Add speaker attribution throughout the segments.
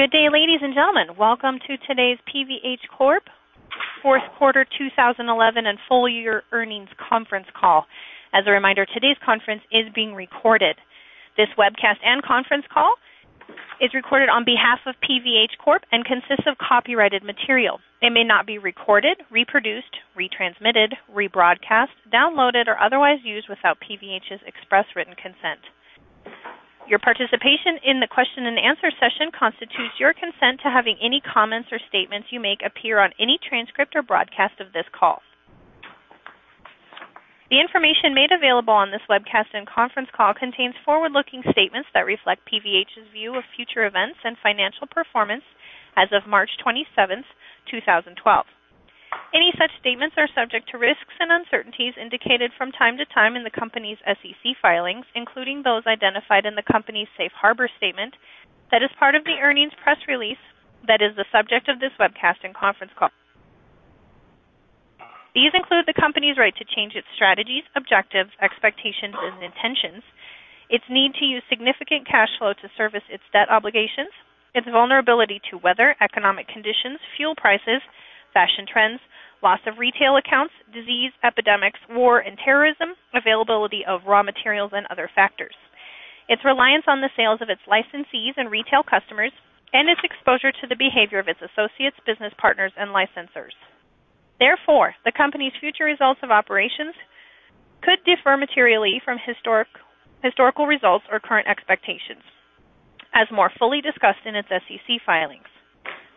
Speaker 1: Good day, ladies and gentlemen. Welcome to today's PVH Corp. Fourth Quarter 2011 and Full Year Earnings Conference Call. As a reminder, today's conference is being recorded. This webcast and conference call is recorded on behalf of PVH Corp. and consists of copyrighted material. It may not be recorded, reproduced, retransmitted, rebroadcast, downloaded, or otherwise used without PVH's express written consent. Your participation in the question and answer session constitutes your consent to having any comments or statements you make appear on any transcript or broadcast of this call. The information made available on this webcast and conference call contains forward-looking statements that reflect PVH's view of future events and financial performance as of March 27, 2012. Any such statements are subject to risks and uncertainties indicated from time to time in the company's SEC filings, including those identified in the company's Safe Harbor Statement that is part of the earnings press release that is the subject of this webcast and conference call. These include the company's right to change its strategies, objectives, expectations, and intentions, its need to use significant cash flow to service its debt obligations, its vulnerability to weather, economic conditions, fuel prices, fashion trends, loss of retail accounts, disease, epidemics, war, and terrorism, availability of raw materials, and other factors, its reliance on the sales of its licensees and retail customers, and its exposure to the behavior of its associates, business partners, and licensors. Therefore, the company's future results of operations could differ materially from historical results or current expectations, as more fully discussed in its SEC filings.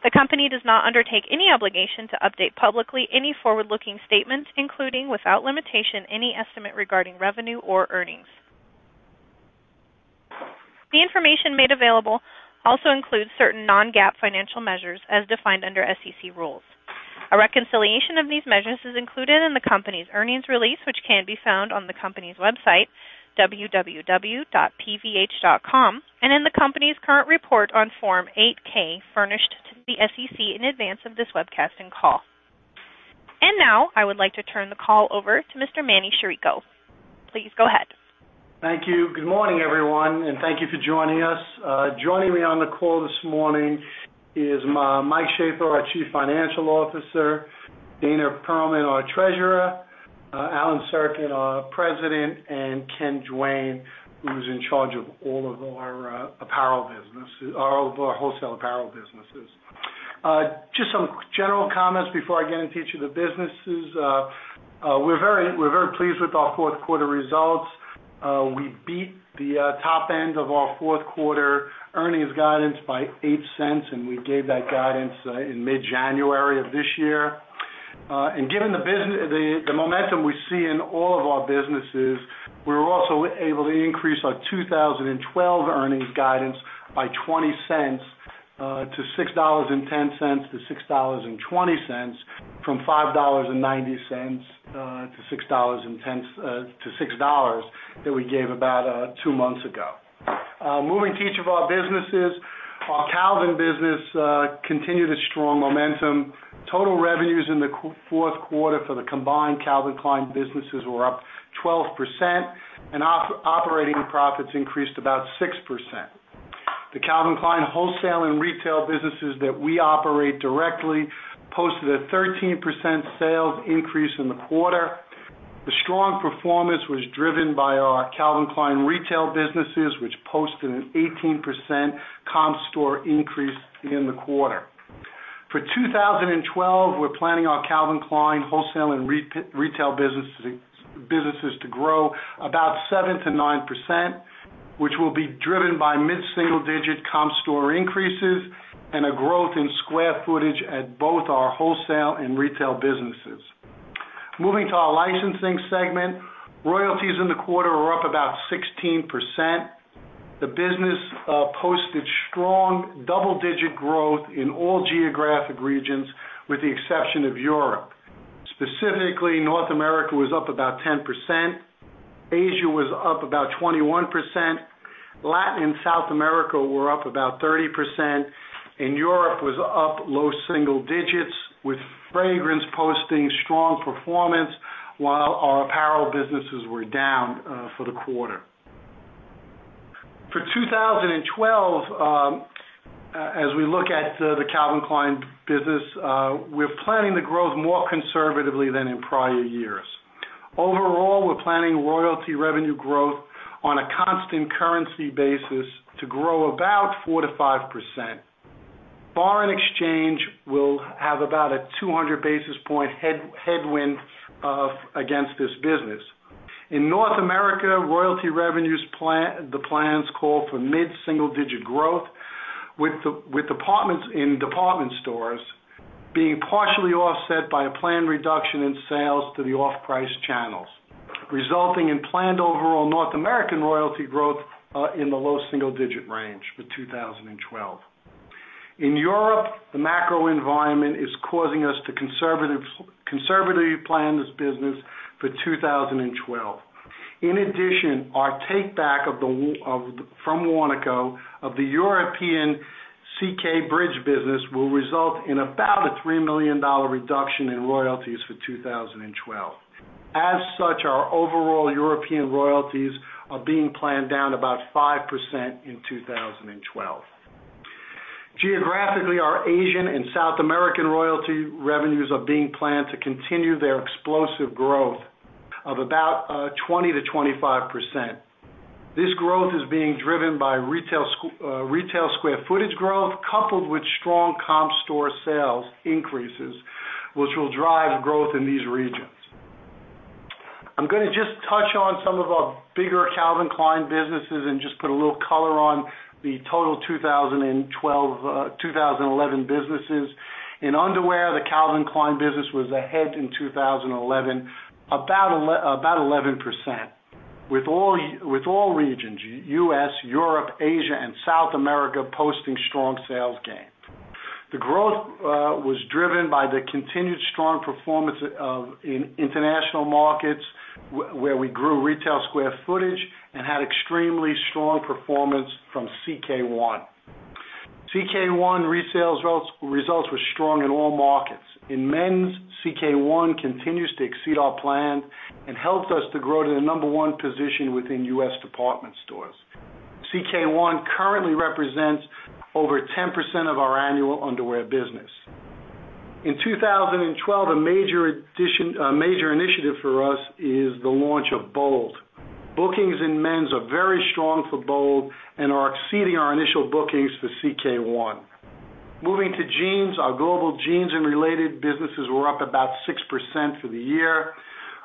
Speaker 1: The company does not undertake any obligation to update publicly any forward-looking statements, including, without limitation, any estimate regarding revenue or earnings. The information made available also includes certain non-GAAP financial measures as defined under SEC rules. A reconciliation of these measures is included in the company's earnings release, which can be found on the company's website, www.pvh.com, and in the company's current report on Form 8-K, furnished to the SEC in advance of this webcasting call. I would like to turn the call over to Mr. Emanuel Chirico. Please go ahead.
Speaker 2: Thank you. Good morning, everyone, and thank you for joining us. Joining me on the call this morning is Michael Shaffer, our Chief Financial Officer, Dana Perlman, our Treasurer, Alan Sirkin, our President, and Ken Dwayne, who's in charge of all of our apparel business, all of our wholesale apparel businesses. Just some general comments before I get into each of the businesses. We're very pleased with our fourth quarter results. We beat the top end of our fourth quarter earnings guidance by $0.08, and we gave that guidance in mid-January of this year. Given the business, the momentum we see in all of our businesses, we were also able to increase our 2012 earnings guidance by $0.2-$6.10-$6.20 from $5.90-$6.10-$6.00 that we gave about two months ago. Moving to each of our businesses, our Calvin business continued its strong momentum. Total revenues in the fourth quarter for the combined Calvin Klein businesses were up 12%, and operating profits increased about 6%. The Calvin Klein wholesale and retail businesses that we operate directly posted a 13% sales increase in the quarter. The strong performance was driven by our Calvin Klein retail businesses, which posted an 18% comp store increase in the quarter. For 2012, we're planning our Calvin Klein wholesale and retail businesses to grow about 7%-9%, which will be driven by mid-single-digit comp store increases and a growth in square footage at both our wholesale and retail businesses. Moving to our licensing segment, royalties in the quarter were up about 16%. The business posted strong double-digit growth in all geographic regions, with the exception of Europe. Specifically, North America was up about 10%. Asia was up about 21%. Latin and South America were up about 30%, and Europe was up low single digits, with fragrance posting strong performance, while our apparel businesses were down for the quarter. For 2012, as we look at the Calvin Klein business, we're planning the growth more conservatively than in prior years. Overall, we're planning royalty revenue growth on a constant currency basis to grow about 4%-5%. FX will have about a 200 basis point headwind against this business. In North America, royalty revenues plan the plans call for mid-single-digit growth, with apartments in department stores being partially offset by a planned reduction in sales to the off-price channels, resulting in planned overall North American royalty growth in the low single-digit range for 2012. In Europe, the macro environment is causing us to conservatively plan this business for 2012. In addition, our takeback from Warnaco of the European CK Bridge business will result in about a $3 million reduction in royalties for 2012. As such, our overall European royalties are being planned down about 5% in 2012. Geographically, our Asian and South American royalty revenues are being planned to continue their explosive growth of about 20%-25%. This growth is being driven by retail square footage growth, coupled with strong comp store sales increases, which will drive growth in these regions. I'm going to just touch on some of our bigger Calvin Klein businesses and just put a little color on the total 2011 businesses. In underwear, the Calvin Klein business was ahead in 2011 about 11%, with all regions: U.S., Europe, Asia, and South America posting strong sales gains. The growth was driven by the continued strong performance in international markets, where we grew retail square footage and had extremely strong performance from CK One. CK One resales results were strong in all markets. In men's, CK One continues to exceed our plan and helped us to grow to the number one position within U.S. department stores. CK One currently represents over 10% of our annual underwear business. In 2012, a major initiative for us is the launch of Bold. Bookings in men's are very strong for Bold and are exceeding our initial bookings for CK One. Moving to jeans, our global jeans and related businesses were up about 6% for the year.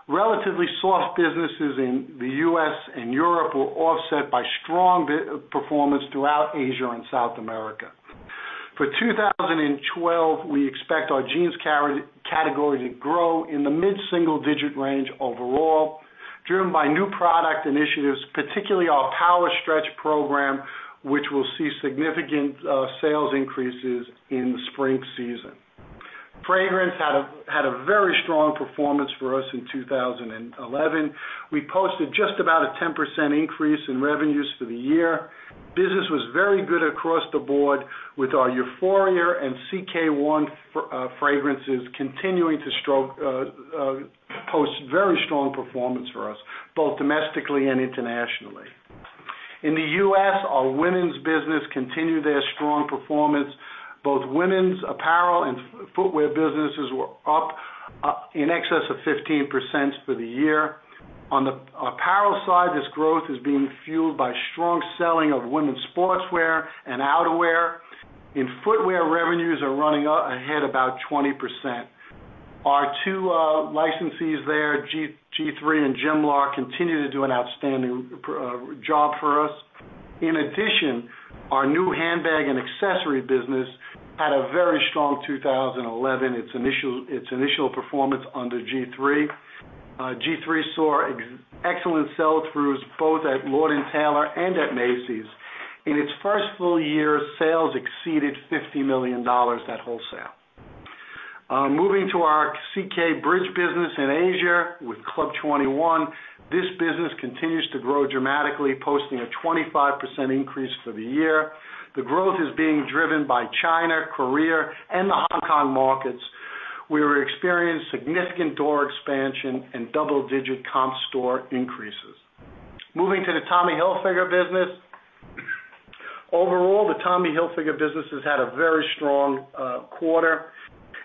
Speaker 2: Relatively soft businesses in the U.S. and Europe were offset by strong performance throughout Asia and South America. For 2012, we expect our jeans category to grow in the mid-single-digit range overall, driven by new product initiatives, particularly our power stretch program, which will see significant sales increases in the spring season. Fragrance had a very strong performance for us in 2011. We posted just about a 10% increase in revenues for the year. Business was very good across the board, with our Euphoria and CK One fragrances continuing to post very strong performance for us, both domestically and internationally. In the U.S., our women's business continued their strong performance. Both women's apparel and footwear businesses were up in excess of 15% for the year. On the apparel side, this growth is being fueled by strong selling of women's sportswear and outerwear. In footwear, revenues are running ahead about 20%. Our two licensees there, G-III and Gemma, continue to do an outstanding job for us. In addition, our new handbag and accessory business had a very strong 2011, its initial performance under G-III. G-III saw excellent sell-throughs both at Lord & Taylor and at Macy's. In its first full year, sales exceeded $50 million at wholesale. Moving to our CK Bridge business in Asia, with Club 21, this business continues to grow dramatically, posting a 25% increase for the year. The growth is being driven by China, Korea, and the Hong Kong markets, where we experienced significant door expansion and double-digit comp store increases. Moving to the Tommy Hilfiger business, overall, the Tommy Hilfiger business has had a very strong quarter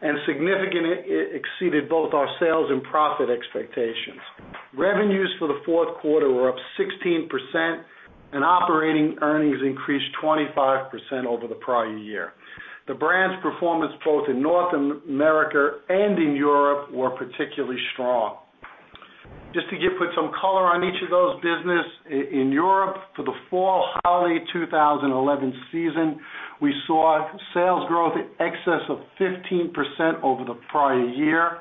Speaker 2: and significantly exceeded both our sales and profit expectations. Revenues for the fourth quarter were up 16%, and operating earnings increased 25% over the prior year. The brand's performance both in North America and in Europe was particularly strong. Just to put some color on each of those businesses, in Europe, for the fall holiday 2011 season, we saw sales growth in excess of 15% over the prior year.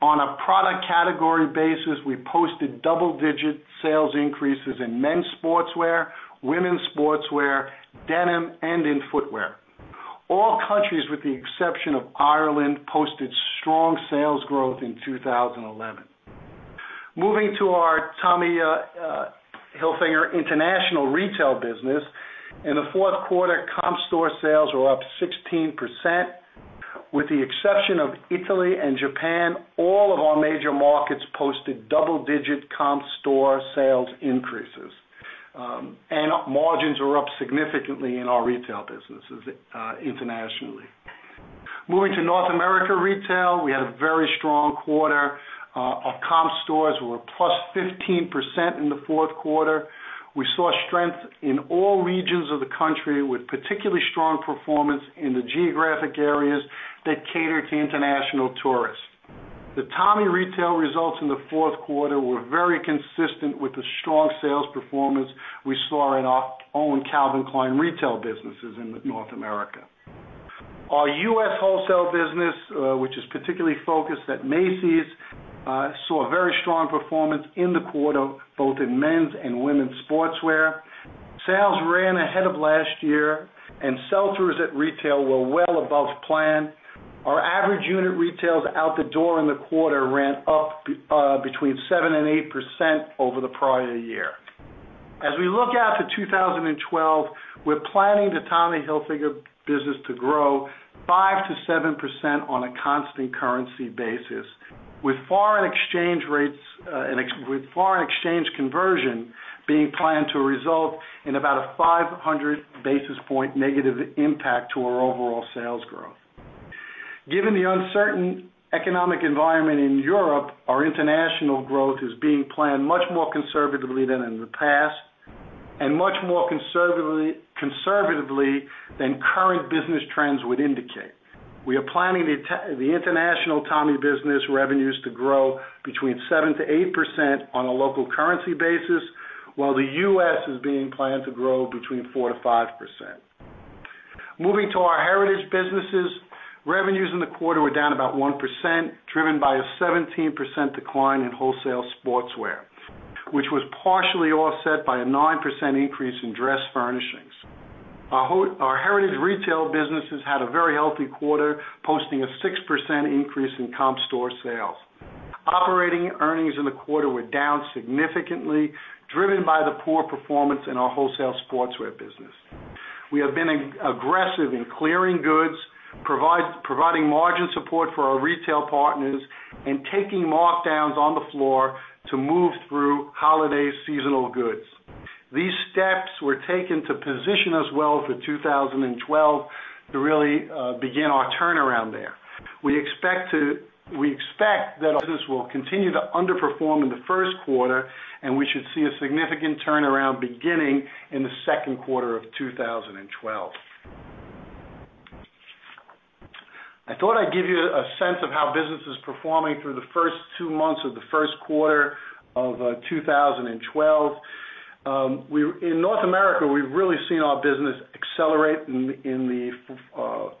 Speaker 2: On a product category basis, we posted double-digit sales increases in men's sportswear, women's sportswear, denim, and in footwear. All countries, with the exception of Ireland, posted strong sales growth in 2011. Moving to our Tommy Hilfiger International retail business, in the fourth quarter, comp store sales were up 16%. With the exception of Italy and Japan, all of our major markets posted double-digit comp store sales increases, and margins were up significantly in our retail businesses internationally. Moving to North America retail, we had a very strong quarter. Our comp stores were plus 15% in the fourth quarter. We saw strength in all regions of the country, with particularly strong performance in the geographic areas that cater to international tourists. The Tommy retail results in the fourth quarter were very consistent with the strong sales performance we saw in our own Calvin Klein retail businesses in North America. Our U.S. wholesale business, which is particularly focused at Macy's, saw very strong performance in the quarter, both in men's and women's sportswear. Sales ran ahead of last year, and sell-throughs at retail were well above plan. Our average unit retails out the door in the quarter ran up between 7% and 8% over the prior year. As we look after 2012, we're planning the Tommy Hilfiger business to grow 5%-7% on a constant currency basis, with foreign exchange conversion being planned to result in about a 500 basis point negative impact to our overall sales growth. Given the uncertain economic environment in Europe, our international growth is being planned much more conservatively than in the past and much more conservatively than current business trends would indicate. We are planning the international Tommy business revenues to grow between 7%-8% on a local currency basis, while the U.S. is being planned to grow between 4%-5%. Moving to our heritage businesses, revenues in the quarter were down about 1%, driven by a 17% decline in wholesale sportswear, which was partially offset by a 9% increase in dress furnishings. Our heritage retail businesses had a very healthy quarter, posting a 6% increase in comp store sales. Operating earnings in the quarter were down significantly, driven by the poor performance in our wholesale sportswear business. We have been aggressive in clearing goods, providing margin support for our retail partners, and taking markdowns on the floor to move through holiday seasonal goods. These steps were taken to position us well for 2012 to really begin our turnaround there. We expect that our business will continue to underperform in the first quarter, and we should see a significant turnaround beginning in the second quarter of 2012. I thought I'd give you a sense of how business is performing through the first two months of the first quarter of 2012. In North America, we've really seen our business accelerate in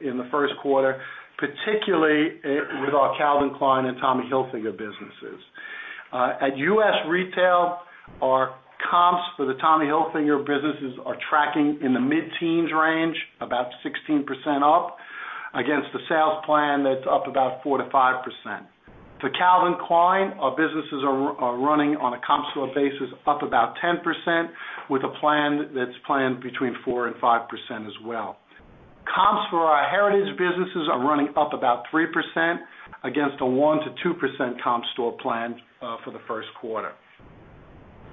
Speaker 2: the first quarter, particularly with our Calvin Klein and Tommy Hilfiger businesses. At U.S. retail, our comps for the Tommy Hilfiger businesses are tracking in the mid-teens range, about 16% up, against the sales plan that's up about 4%-5%. For Calvin Klein, our businesses are running on a comp store basis up about 10%, with a plan that's planned between 4% and 5% as well. Comps for our heritage businesses are running up about 3%, against a 1%-2% comp store plan for the first quarter.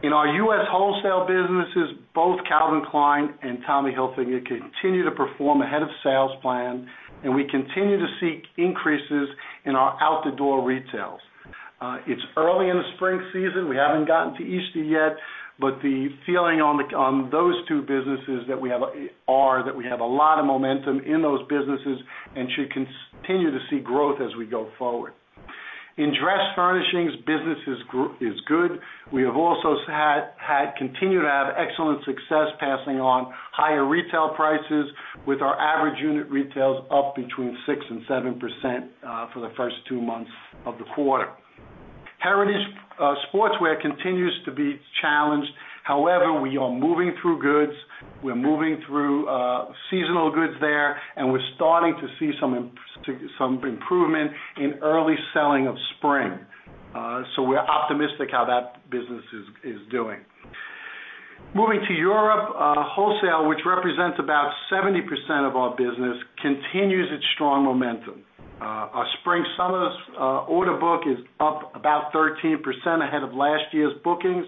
Speaker 2: In our U.S. wholesale businesses, both Calvin Klein and Tommy Hilfiger continue to perform ahead of sales plan, and we continue to see increases in our out-the-door retails. It's early in the spring season. We haven't gotten to Easter yet, but the feeling on those two businesses is that we have a lot of momentum in those businesses and should continue to see growth as we go forward. In dress furnishings, business is go We have also had continued to have excellent success passing on higher retail prices, with our average unit retails up between 6% and 7% for the first two months of the quarter. Heritage sportswear continues to be challenged. However, we are moving through goods. We're moving through seasonal goods there, and we're starting to see some improvement in early selling of spring. We are optimistic how that business is doing. Moving to Europe, wholesale, which represents about 70% of our business, continues its strong momentum. Our spring/summer order book is up about 13% ahead of last year's bookings.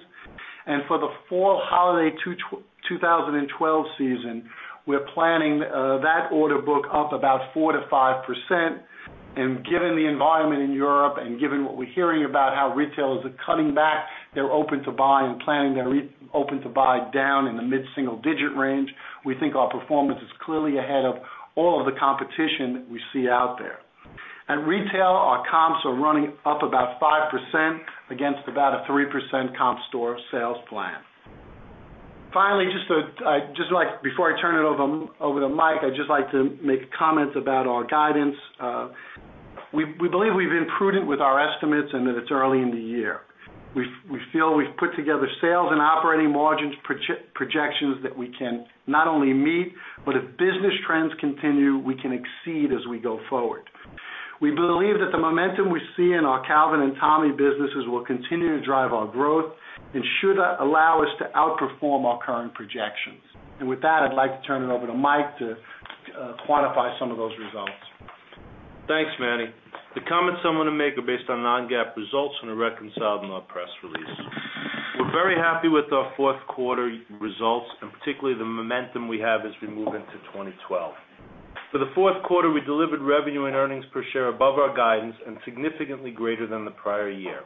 Speaker 2: For the fall holiday 2012 season, we're planning that order book up about 4%-5%. Given the environment in Europe and given what we're hearing about how retailers are cutting back, they're open to buy and planning to open to buy down in the mid-single-digit range. We think our performance is clearly ahead of all of the competition we see out there. At retail, our comps are running up about 5% against about a 3% comp store sales plan. Finally, just before I turn it over to Mike, I'd just like to make comments about our guidance. We believe we've been prudent with our estimates and that it's early in the year. We feel we've put together sales and operating margins projections that we can not only meet, but if business trends continue, we can exceed as we go forward. We believe that the momentum we see in our Calvin and Tommy businesses will continue to drive our growth and should allow us to outperform our current projections. With that, I'd like to turn it over to Mike to quantify some of those results.
Speaker 3: Thanks, Manny. The comments I'm going to make are based on non-GAAP results when I reconciled in our press release. We're very happy with our fourth quarter results and particularly the momentum we have as we move into 2012. For the fourth quarter, we delivered revenue and earnings per share above our guidance and significantly greater than the prior year.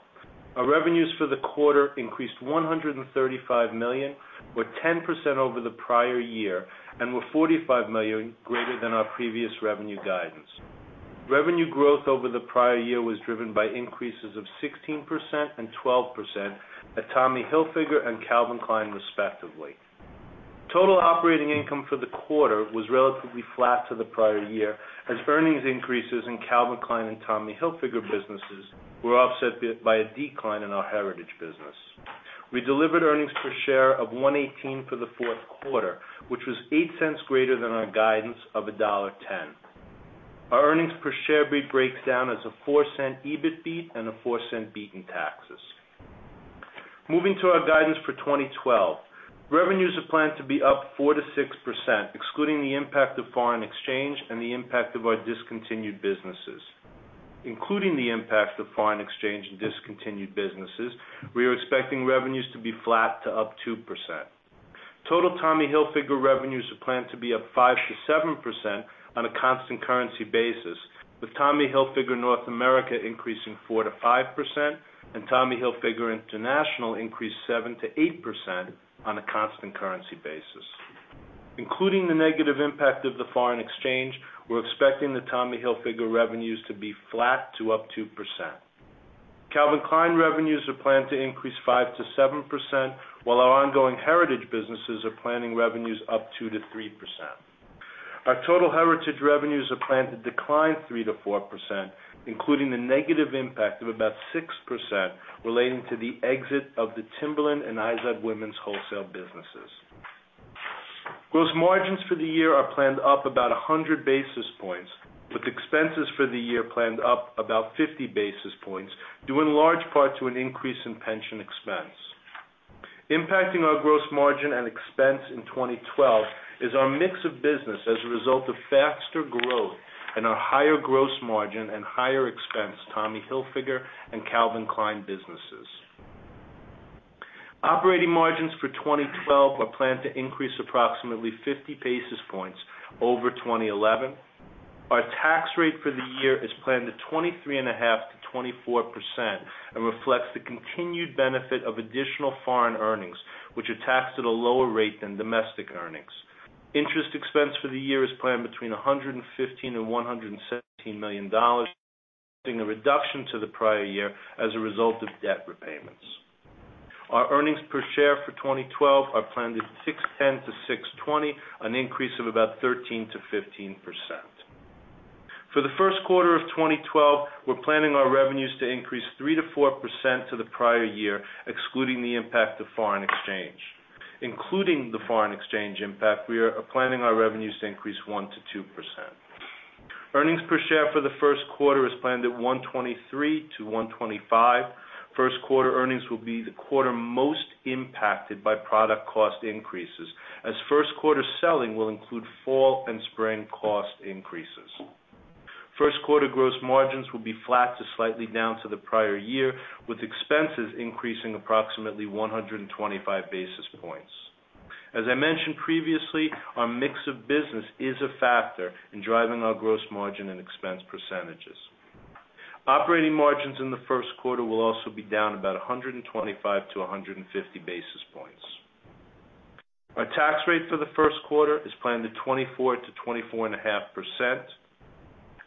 Speaker 3: Our revenues for the quarter increased $135 million, were 10% over the prior year, and were $45 million greater than our previous revenue guidance. Revenue growth over the prior year was driven by increases of 16% and 12% at Tommy Hilfiger and Calvin Klein, respectively. Total operating income for the quarter was relatively flat to the prior year as earnings increases in Calvin Klein and Tommy Hilfiger businesses were offset by a decline in our heritage business. We delivered earnings per share of $1.18 for the fourth quarter, which was $0.08 greater than our guidance of $1.10. Our earnings per share rate breaks down as a $0.04 EBIT beat and a $0.04 beat in taxes. Moving to our guidance for 2012, revenues are planned to be up 4%-6%, excluding the impact of foreign exchange and the impact of our discontinued businesses. Including the impact of foreign exchange and discontinued businesses, we are expecting revenues to be flat to up 2%. Total Tommy Hilfiger revenues are planned to be up 5%-7% on a constant currency basis, with Tommy Hilfiger North America increasing 4%-5% and Tommy Hilfiger International increasing 7%-8% on a constant currency basis. Including the negative impact of the foreign exchange, we're expecting the Tommy Hilfiger revenues to be flat to up 2%. Calvin Klein revenues are planned to increase 5%-7%, while our ongoing heritage businesses are planning revenues up 2%-3%. Our total heritage revenues are planned to decline 3%-4%, including the negative impact of about 6% relating to the exit of the Timberland and Isaac Women's wholesale businesses. Gross margins for the year are planned up about 100 basis points, with expenses for the year planned up about 50 basis points, due in large part to an increase in pension expense. Impacting our gross margin and expense in 2012 is our mix of business as a result of faster growth and our higher gross margin and higher expense Tommy Hilfiger and Calvin Klein businesses. Operating margins for 2012 are planned to increase approximately 50 basis points over 2011. Our tax rate for the year is planned at 23.5%-24% and reflects the continued benefit of additional foreign earnings, which are taxed at a lower rate than domestic earnings. Interest expense for the year is planned between $115 million and $117 million, a reduction to the prior year as a result of debt repayments. Our earnings per share for 2012 are planned at $6.10-$6.20, an increase of about 13%-15%. For the first quarter of 2012, we're planning our revenues to increase 3%-4% to the prior year, excluding the impact of foreign exchange. Including the foreign exchange impact, we are planning our revenues to increase 1%-2%. Earnings per share for the first quarter is planned at $1.23-$1.25. First quarter earnings will be the quarter most impacted by product cost increases, as first quarter selling will include fall and spring cost increases. First quarter gross margins will be flat to slightly down to the prior year, with expenses increasing approximately 125 basis points. As I mentioned previously, our mix of business is a factor in driving our gross margin and expense percentages. Operating margins in the first quarter will also be down about 125-150 basis points. Our tax rate for the first quarter is planned at 24%-24.5%.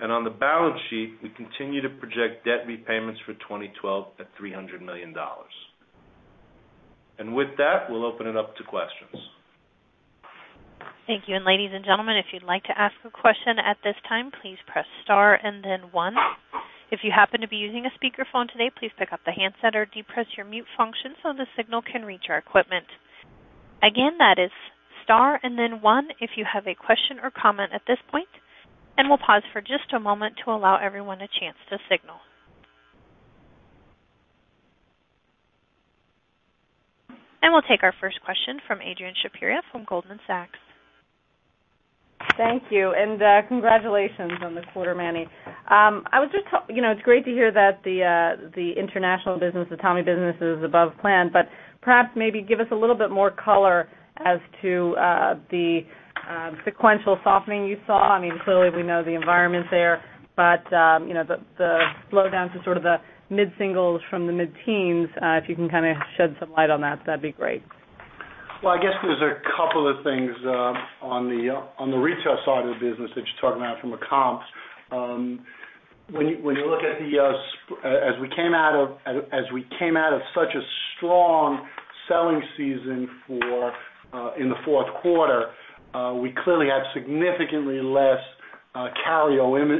Speaker 3: On the balance sheet, we continue to project debt repayments for 2012 at $300 million. With that, we'll open it up to questions.
Speaker 1: Thank you. Ladies and gentlemen, if you'd like to ask a question at this time, please press star and then one. If you happen to be using a speaker phone today, please pick up the handset or depress your mute function so the signal can reach our equipment. Again, that is Star and then one if you have a question or comment at this point. We'll pause for just a moment to allow everyone a chance to signal. We'll take our first question from Adrian Shapira from Goldman Sachs.
Speaker 4: Thank you. Congratulations on the quarter, Manny. I was just told it's great to hear that the international business, the Tommy business is above plan. Perhaps give us a little bit more color as to the sequential softening you saw. Clearly, we know the environment there, but the slowdown to sort of the mid-singles from the mid-teens, if you can kind of shed some light on that, that'd be great.
Speaker 2: There are a couple of things on the retail side of the business that you're talking about from a comp. When you look at the, as we came out of such a strong selling season in the fourth quarter, we clearly had significantly less carryover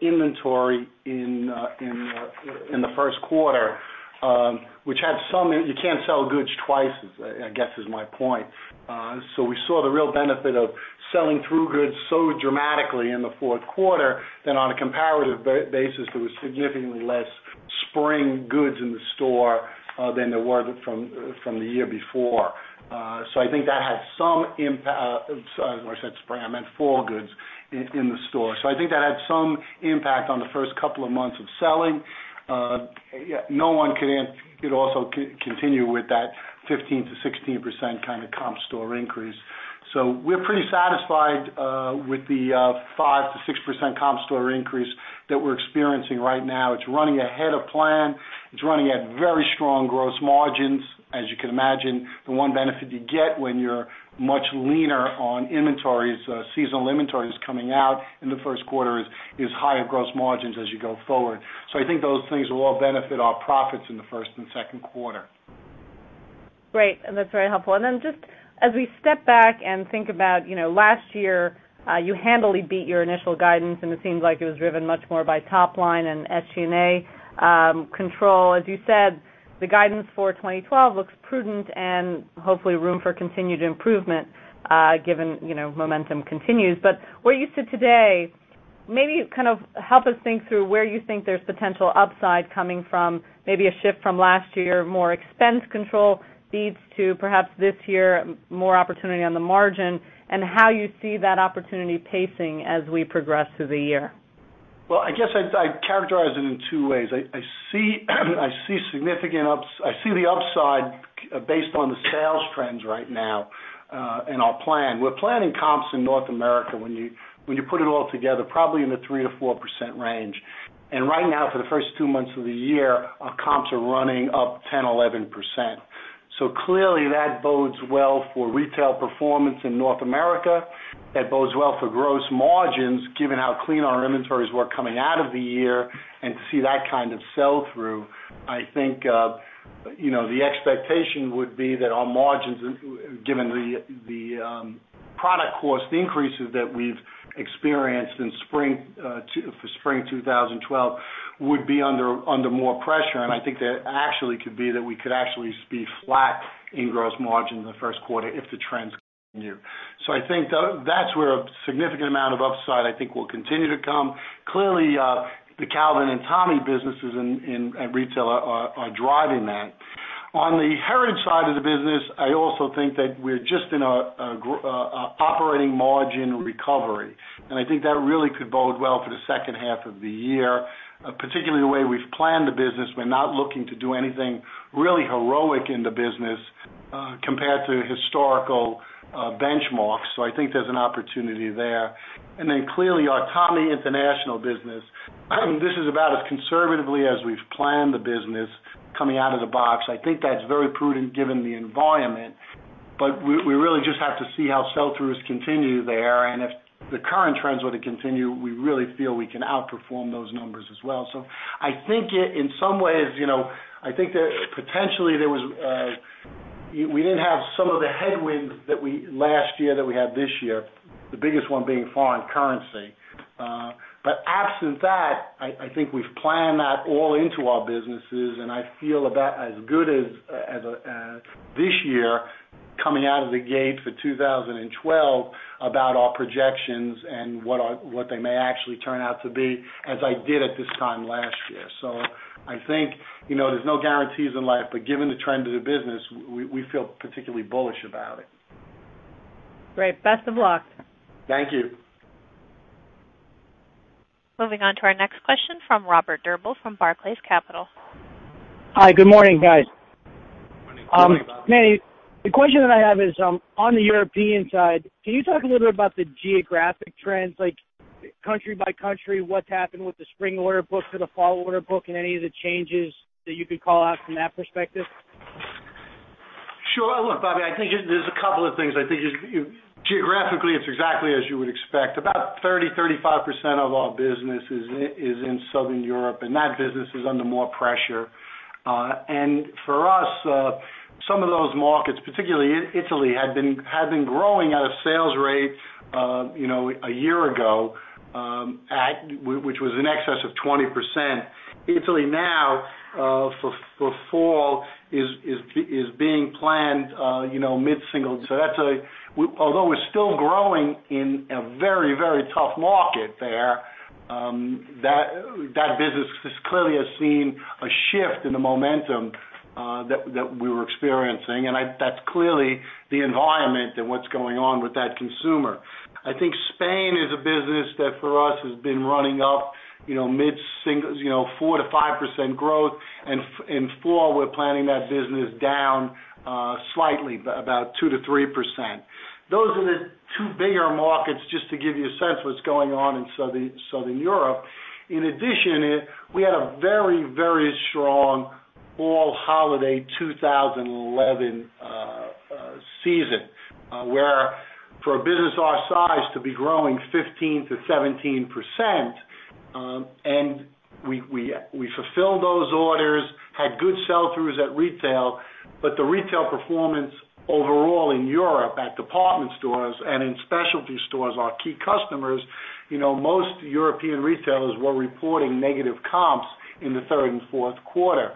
Speaker 2: inventory in the first quarter, which had some, you can't sell goods twice, I guess is my point. We saw the real benefit of selling through goods so dramatically in the fourth quarter that on a comparative basis, there were significantly less fall goods in the store than there were from the year before. I think that had some impact. I meant fall goods in the store. I think that had some impact on the first couple of months of selling. No one could also continue with that 15%-16% kind of comp store increase. We're pretty satisfied with the 5%-6% comp store increase that we're experiencing right now. It's running ahead of plan. It's running at very strong gross margins. As you can imagine, the one benefit you get when you're much leaner on inventories, seasonal inventories coming out in the first quarter, is higher gross margins as you go forward. I think those things will all benefit our profits in the first and second quarter.
Speaker 4: Great. That's very helpful. Just as we step back and think about last year, you handily beat your initial guidance, and it seemed like it was driven much more by top line and SG&A control. As you said, the guidance for 2012 looks prudent and hopefully there is room for continued improvement, given momentum continues. Where you sit today, maybe help us think through where you think there's potential upside coming from, maybe a shift from last year, more expense control feeds to perhaps this year, more opportunity on the margin, and how you see that opportunity pacing as we progress through the year.
Speaker 2: I guess I'd characterize it in two ways. I see significant upside. I see the upside based on the sales trends right now and our plan. We're planning comps in North America, when you put it all together, probably in the 3% to 4% range. Right now, for the first two months of the year, our comps are running up 10%, 11%. Clearly, that bodes well for retail performance in North America. That bodes well for gross margins, given how clean our inventories were coming out of the year, and to see that kind of sell-through, I think, you know, the expectation would be that our margins, given the product cost increases that we've experienced in spring for spring 2012, would be under more pressure. I think that actually could be that we could actually be flat in gross margins in the first quarter if the trends continue. I think that's where a significant amount of upside, I think, will continue to come. Clearly, the Calvin and Tommy businesses and retail are driving that. On the heritage side of the business, I also think that we're just in an operating margin recovery. I think that really could bode well for the second half of the year, particularly the way we've planned the business. We're not looking to do anything really heroic in the business compared to historical benchmarks. I think there's an opportunity there. Clearly, our Tommy International business, this is about as conservatively as we've planned the business coming out of the box. I think that's very prudent given the environment. We really just have to see how sell-throughs continue there. If the current trends were to continue, we really feel we can outperform those numbers as well. I think in some ways, you know, I think that potentially there was, we didn't have some of the headwinds that we last year that we had this year, the biggest one being foreign currency. Absent that, I think we've planned that all into our businesses. I feel about as good as this year coming out of the gate for 2012 about our projections and what they may actually turn out to be, as I did at this time last year. I think, you know, there's no guarantees in life. Given the trend of the business, we feel particularly bullish about it.
Speaker 4: Great. Best of luck.
Speaker 2: Thank you.
Speaker 1: Moving on to our next question from Robert Drabble l from Barclays Capital.
Speaker 5: Hi. Good morning, guys.
Speaker 2: Morning.
Speaker 5: Manny, the question that I have is on the European side. Can you talk a little bit about the geographic trends, like country by country, what's happened with the spring order book to the fall order book, and any of the changes that you could call out from that perspective?
Speaker 2: Sure. Look, Bobby, I think there's a couple of things. I think geographically, it's exactly as you would expect. About 30%-35% of our business is in Southern Europe, and that business is under more pressure. For us, some of those markets, particularly Italy, had been growing at a sales rate a year ago, which was in excess of 20%. Italy now for fall is being planned mid-single. That's a, although we're still growing in a very, very tough market there, that business clearly has seen a shift in the momentum that we were experiencing. That's clearly the environment and what's going on with that consumer. I think Spain is a business that for us has been running up mid-single, 4%-5% growth. In fall, we're planning that business down slightly, about 2%-3%. Those are the two bigger markets, just to give you a sense of what's going on in Southern Europe. In addition, we had a very, very strong fall holiday 2011 season, where for a business our size to be growing 15%-17%, and we fulfilled those orders, had good sell-throughs at retail, but the retail performance overall in Europe at department stores and in specialty stores are key customers. You know, most European retailers were reporting negative comps in the third and fourth quarter.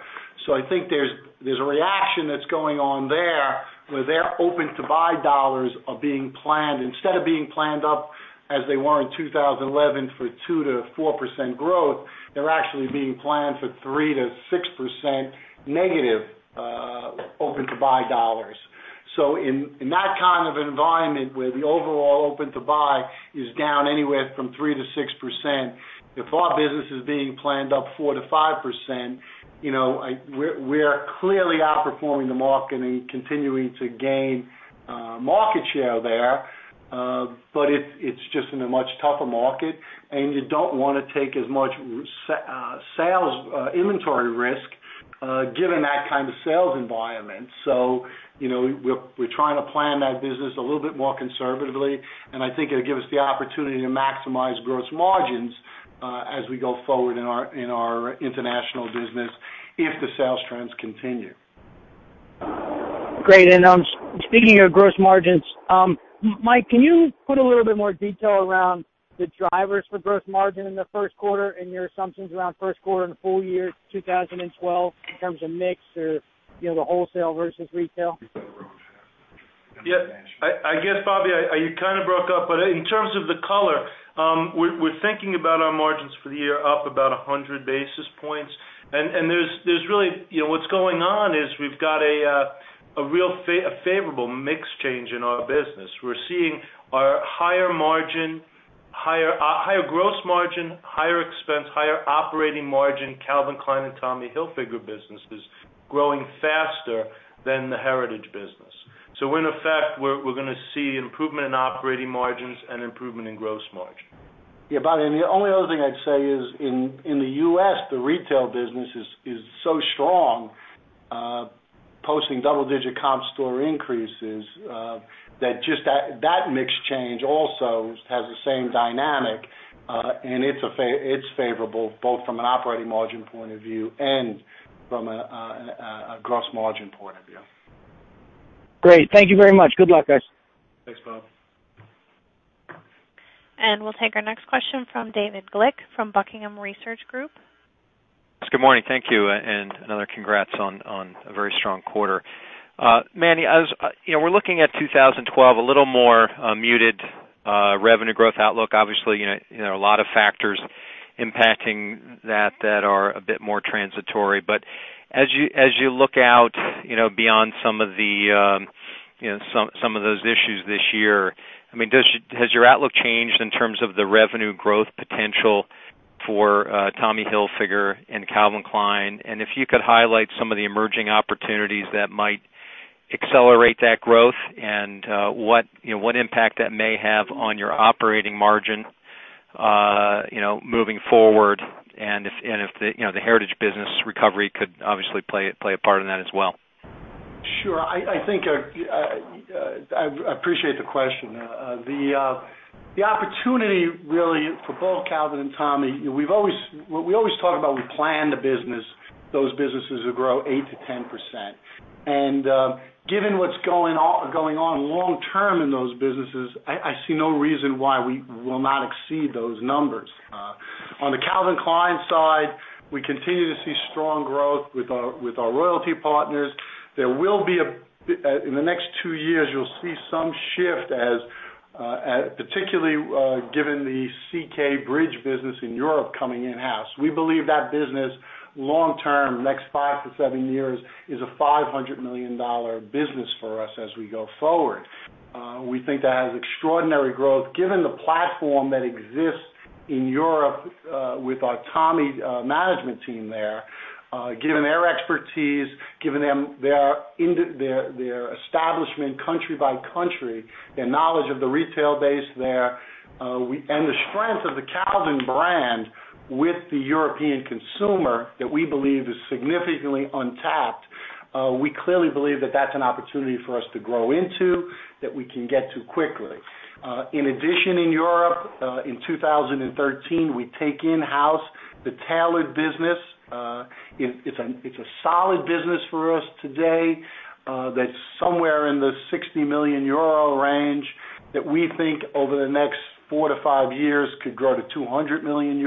Speaker 2: I think there's a reaction that's going on there, where their open-to-buy dollars are being planned. Instead of being planned up as they were in 2011 for 2%-4% growth, they're actually being planned for 3%-6% negative open-to-buy dollars. In that kind of environment, where the overall open-to-buy is down anywhere from 3%-6%, if our business is being planned up 4%-5%, you know, we're clearly outperforming the market and continuing to gain market share there. It's just in a much tougher market, and you don't want to take as much sale inventory risk given that kind of sales environment. We're trying to plan that business a little bit more conservatively, and I think it'll give us the opportunity to maximize gross margins as we go forward in our international business if the sales trends continue.
Speaker 5: Great. Speaking of gross margins, Mike, can you put a little bit more detail around the drivers for gross margin in the first quarter and your assumptions around first quarter of the full year 2012 in terms of mix or the wholesale versus retail?
Speaker 2: Yeah. I guess, Bobby, you kind of broke up. In terms of the color, we're thinking about our margins for the year up about 100 basis points. There's really, you know, what's going on is we've got a real favorable mix change in our business. We're seeing our higher margin, higher gross margin, higher expense, higher operating margin, Calvin Klein and Tommy Hilfiger businesses growing faster than the heritage business. In effect, we're going to see improvement in operating margins and improvement in gross margin. Yeah, Bobby, the only other thing I'd say is in the U.S., the retail business is so strong, posting double-digit comp store increases, that just that mix change also has the same dynamic, and it's favorable both from an operating margin point of view and from a gross margin point of view.
Speaker 5: Great. Thank you very much. Good luck, guys.
Speaker 2: Thanks, Bob.
Speaker 1: We will take our next question from David Glick from Buckingham Research Group.
Speaker 6: Good morning. Thank you. Another congrats on a very strong quarter. Manny, as you know, we're looking at 2012, a little more muted revenue growth outlook. Obviously, there are a lot of factors impacting that that are a bit more transitory. As you look out beyond some of those issues this year, has your outlook changed in terms of the revenue growth potential for Tommy Hilfiger and Calvin Klein? If you could highlight some of the emerging opportunities that might accelerate that growth and what impact that may have on your operating margin moving forward. If the heritage business recovery could obviously play a part in that as well.
Speaker 2: Sure. I think I appreciate the question. The opportunity really for both Calvin and Tommy, we've always, we always talk about we plan the business, those businesses to grow 8%-10%. Given what's going on long-term in those businesses, I see no reason why we will not exceed those numbers. On the Calvin Klein side, we continue to see strong growth with our loyalty partners. There will be, in the next two years, you'll see some shift, particularly given the CK Bridge business in Europe coming in-house. We believe that business long-term, next five to seven years, is a $500 million business for us as we go forward. We think that has extraordinary growth given the platform that exists in Europe with our Tommy management team there, given their expertise, given their establishment country by country, their knowledge of the retail base there, and the strength of the Calvin brand with the European consumer that we believe is significantly untapped. We clearly believe that that's an opportunity for us to grow into that we can get to quickly. In addition, in Europe, in 2013, we take in-house the tailored business. It's a solid business for us today that's somewhere in the €60 million range that we think over the next four to five years could grow to €200 million.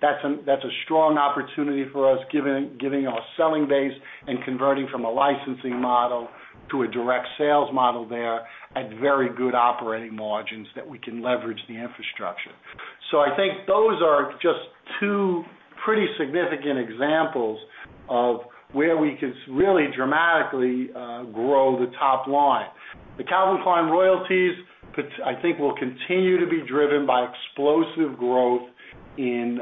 Speaker 2: That's a strong opportunity for us, given our selling base and converting from a licensing model to a direct sales model there at very good operating margins that we can leverage the infrastructure. I think those are just two pretty significant examples of where we can really dramatically grow the top line. The Calvin Klein royalties, I think, will continue to be driven by explosive growth in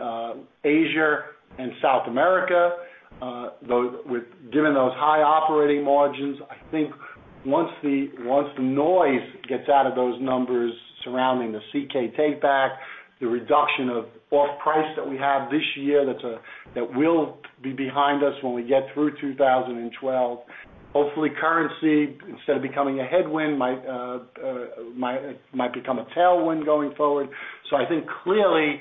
Speaker 2: Asia and South America. Given those high operating margins, I think once the noise gets out of those numbers surrounding the CK takeback, the reduction of off price that we have this year that will be behind us when we get through 2012, hopefully currency, instead of becoming a headwind, might become a tailwind going forward. I think clearly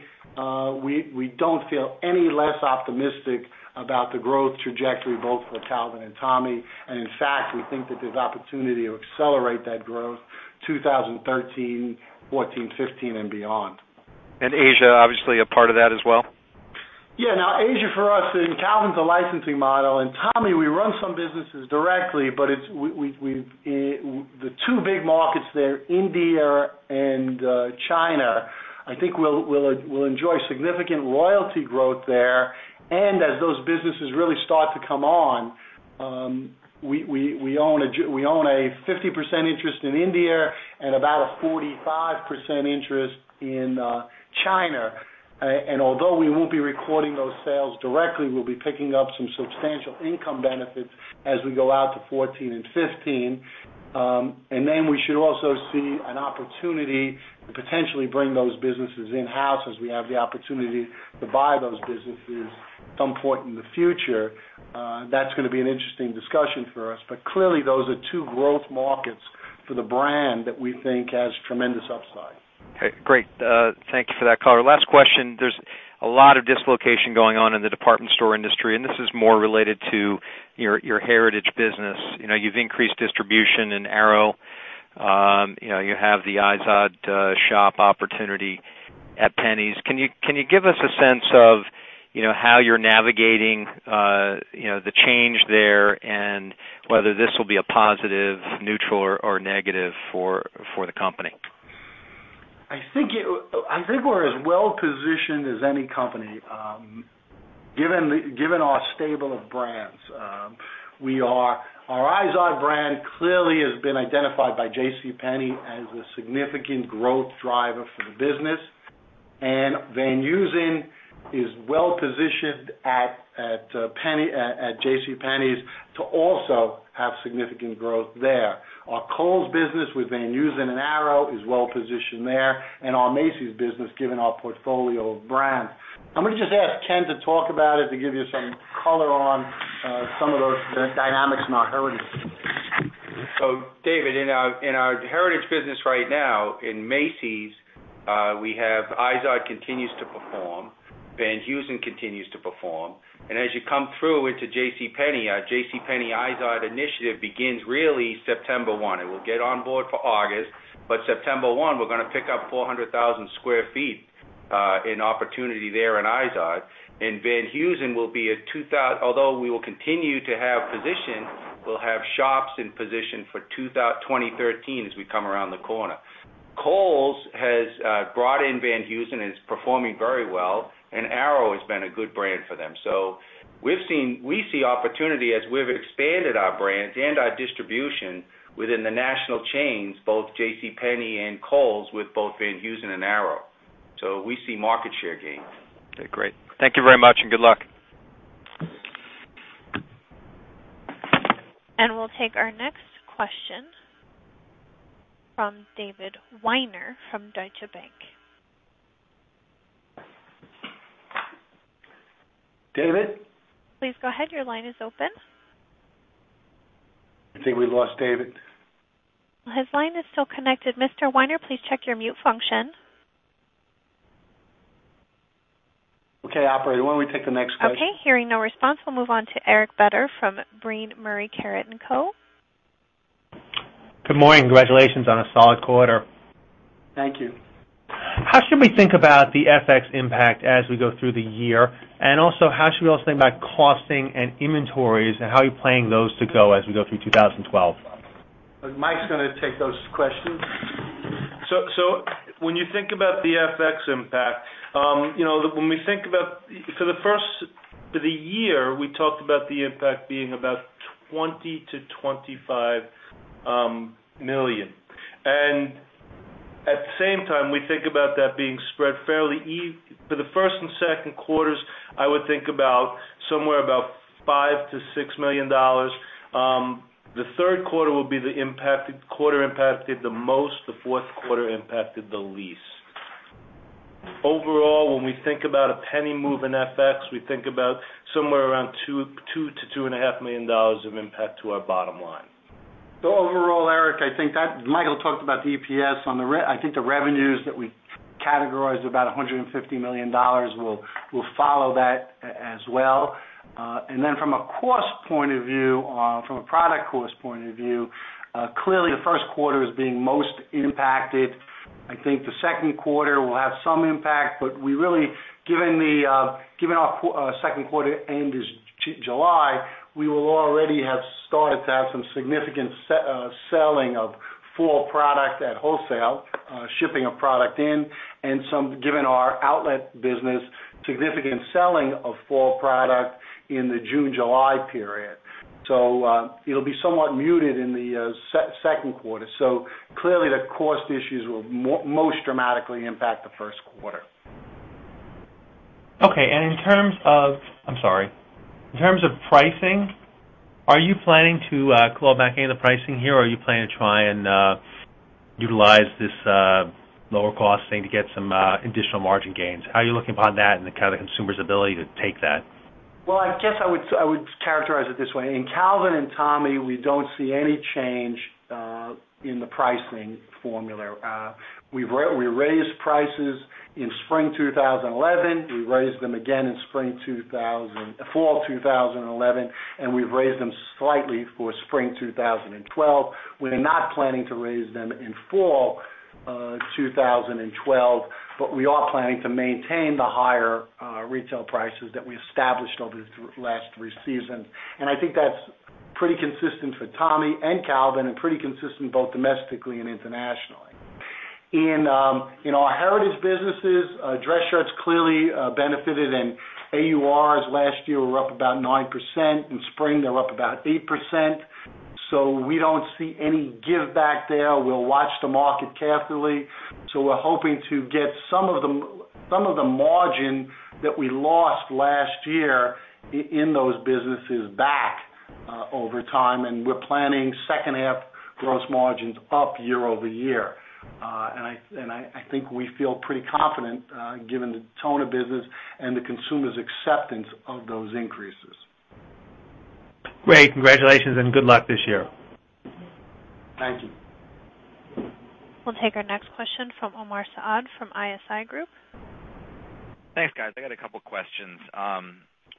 Speaker 2: we don't feel any less optimistic about the growth trajectory both for Calvin and Tommy. In fact, we think that there's opportunity to accelerate that growth 2013, 2014, 2015, and beyond.
Speaker 6: Asia, obviously, a part of that as well?
Speaker 2: Yeah. Now, Asia for us, and Calvin's a licensing model. Tommy, we run some businesses directly, but the two big markets there, India and China, I think we'll enjoy significant royalty growth there. As those businesses really start to come on, we own a 50% interest in India and about a 45% interest in China. Although we won't be recording those sales directly, we'll be picking up some substantial income benefits as we go out to 2014 and 2015. We should also see an opportunity to potentially bring those businesses in-house as we have the opportunity to buy those businesses at some point in the future. That's going to be an interesting discussion for us. Clearly, those are two growth markets for the brand that we think has tremendous upside.
Speaker 6: Great. Thank you for that color. Last question. There's a lot of dislocation going on in the department store industry, and this is more related to your heritage business. You've increased distribution in Arrow. You have the Izod shop opportunity at JCPenney. Can you give us a sense of how you're navigating the change there and whether this will be a positive, neutral, or negative for the company?
Speaker 2: I think we're as well positioned as any company, given our stable of brands. Our Izod brand clearly has been identified by JCPenney as a significant growth driver for the business. Van Heusen is well positioned at JCPenney to also have significant growth there. Our Kohl’s business with Van Heusen and Arrow is well positioned there. Our Macy's business, given our portfolio of brands, is also strong. I'm going to add Ken to talk about it to give you some color on some of those dynamics in our heritage.
Speaker 7: In our heritage business right now, in Macy's, we have Izod continues to perform. Van Heusen continues to perform. As you come through into JCPenney, our JCPenney Izod initiative begins really September 1. It will get on board for August. September 1, we're going to pick up 400,000 square feet in opportunity there in Izod. Van Heusen will be a 2,000, although we will continue to have position, we'll have shops in position for 2013 as we come around the corner. Kohl’s has brought in Van Heusen and is performing very well. Arrow has been a good brand for them. We see opportunity as we've expanded our brands and our distribution within the national chains, both JCPenney and Kohl’s with both Van Heusen and Arrow. We see market share gains.
Speaker 6: Great. Thank you very much and good luck.
Speaker 1: We will take our next question from David Weiner from Deutsche Bank.
Speaker 2: David?
Speaker 1: Please go ahead. Your line is open.
Speaker 2: I think we lost David.
Speaker 1: His line is still connected. Mr. Weiner, please check your mute function.
Speaker 2: Okay, operator. Why don't we take the next question?
Speaker 1: Okay. Hearing no response, we'll move on to Eric Beder from Brean Murray Carret & Co.
Speaker 8: Good morning. Congratulations on a solid quarter.
Speaker 2: Thank you.
Speaker 8: How should we think about the FX impact as we go through the year? Also, how should we think about costing and inventories, and how are you planning those to go as we go through 2012?
Speaker 2: Mike's going to take those questions. When you think about the FX impact, when we think about for the year, we talked about the impact being about $20 million-$25 million. At the same time, we think about that being spread fairly. For the first and second quarters, I would think about somewhere about $5 million-$6 million. The third quarter will be the impacted quarter impacted the most. The fourth quarter impacted the least. Overall, when we think about a penny move in FX, we think about somewhere around $2million-$2.5 million of impact to our bottom line.
Speaker 7: Overall, Eric, I think that Michael talked about DPS on the rent. I think the revenues that we categorized, about $150 million, will follow that as well. From a cost point of view, from a product cost point of view, clearly, the first quarter is being most impacted. I think the second quarter will have some impact, but given our second quarter end is July, we will already have started to have some significant selling of fall product at wholesale, shipping of product in, and, given our outlet business, significant selling of fall product in the June-July period. It will be somewhat muted in the second quarter. Clearly, the cost issues will most dramatically impact the first quarter.
Speaker 8: Okay. In terms of pricing, are you planning to claw back into the pricing here, or are you planning to try and utilize this lower cost thing to get some additional margin gains? How are you looking upon that and the kind of the consumer's ability to take that?
Speaker 2: I guess I would characterize it this way. In Calvin and Tommy, we don't see any change in the pricing formula. We raised prices in spring 2011. We raised them again in fall 2011, and we've raised them slightly for spring 2012. We're not planning to raise them in fall 2012, but we are planning to maintain the higher retail prices that we established over the last three seasons. I think that's pretty consistent for Tommy and Calvin and pretty consistent both domestically and internationally. In our heritage businesses, dress shirts clearly benefited, and AURs last year were up about 9%. In spring, they're up about 8%. We don't see any give-back there. We'll watch the market carefully. We're hoping to get some of the margin that we lost last year in those businesses back over time. We're planning second half gross margins up year-over-year. I think we feel pretty confident given the tone of business and the consumer's acceptance of those increases.
Speaker 8: Great. Congratulations and good luck this year.
Speaker 2: Thank you.
Speaker 1: We'll take our next question from Omar Saad from ISI Group.
Speaker 9: Thanks, guys. I got a couple of questions.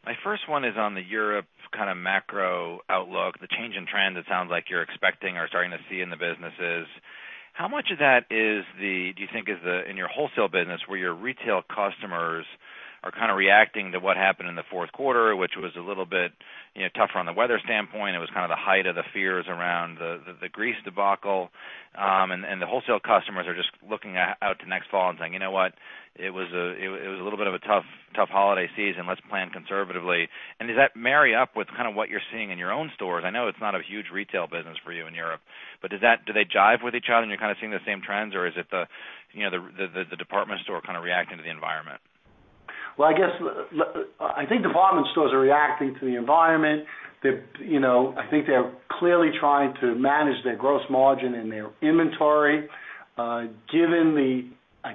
Speaker 9: My first one is on the Europe kind of macro outlook, the change in trends it sounds like you're expecting or starting to see in the businesses. How much of that do you think is in your wholesale business where your retail customers are kind of reacting to what happened in the fourth quarter, which was a little bit tougher on the weather standpoint? It was kind of the height of the fears around the Greece debacle. The wholesale customers are just looking out to next fall and saying, "You know what? It was a little bit of a tough holiday season. Let's plan conservatively." Does that marry up with what you're seeing in your own stores? I know it's not a huge retail business for you in Europe, but do they jive with each other and you're kind of seeing the same trends, or is it the department store kind of reacting to the environment?
Speaker 2: I guess I think department stores are reacting to the environment. I think they're clearly trying to manage their gross margin and their inventory. Given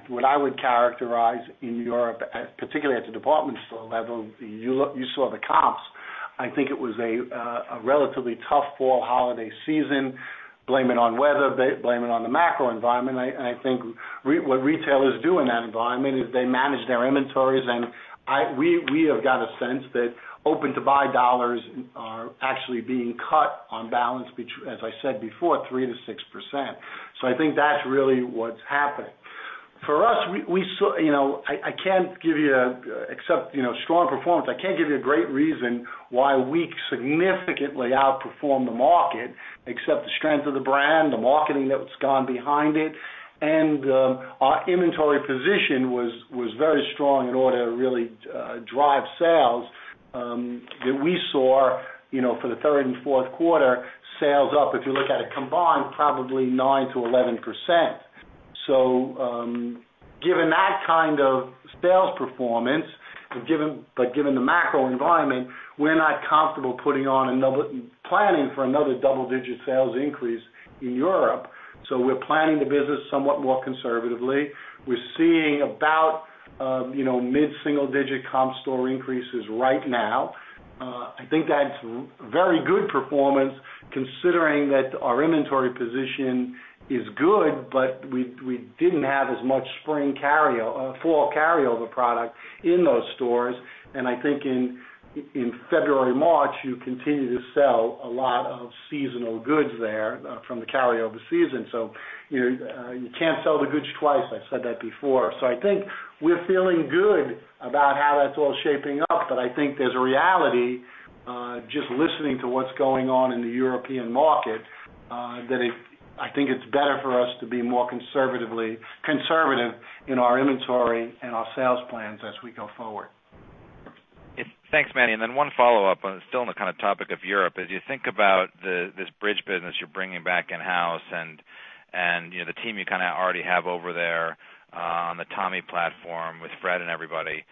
Speaker 2: what I would characterize in Europe, particularly at the department store level, you saw the cost. I think it was a relatively tough fall holiday season, blame it on weather, blame it on the macro environment. I think what retailers do in that environment is they manage their inventories. We have got a sense that open-to-buy dollars are actually being cut on balance between, as I said before, 3% to 6%. I think that's really what's happening. For us, I can't give you except, you know, strong performance. I can't give you a great reason why we significantly outperformed the market except the strength of the brand, the marketing that's gone behind it. Our inventory position was very strong in order to really drive sales. We saw, for the third and fourth quarter, sales up, if you look at it combined, probably 9%-11%. Given that kind of sales performance, but given the macro environment, we're not comfortable putting on another planning for another double-digit sales increase in Europe. We're planning the business somewhat more conservatively. We're seeing about mid-single-digit comp store increases right now. I think that's very good performance considering that our inventory position is good, but we didn't have as much spring carry-up, fall carryover product in those stores. I think in February and March, you continue to sell a lot of seasonal goods there from the carryover season. You can't sell the goods twice. I've said that before. I think we're feeling good about how that's all shaping up. I think there's a reality, just listening to what's going on in the European market, that I think it's better for us to be more conservative in our inventory and our sales plans as we go forward.
Speaker 9: Thanks, Manny. One follow-up on the topic of Europe, as you think about this Bridge business you're bringing back in-house and the team you already have over there on the Tommy platform with Fred and everybody,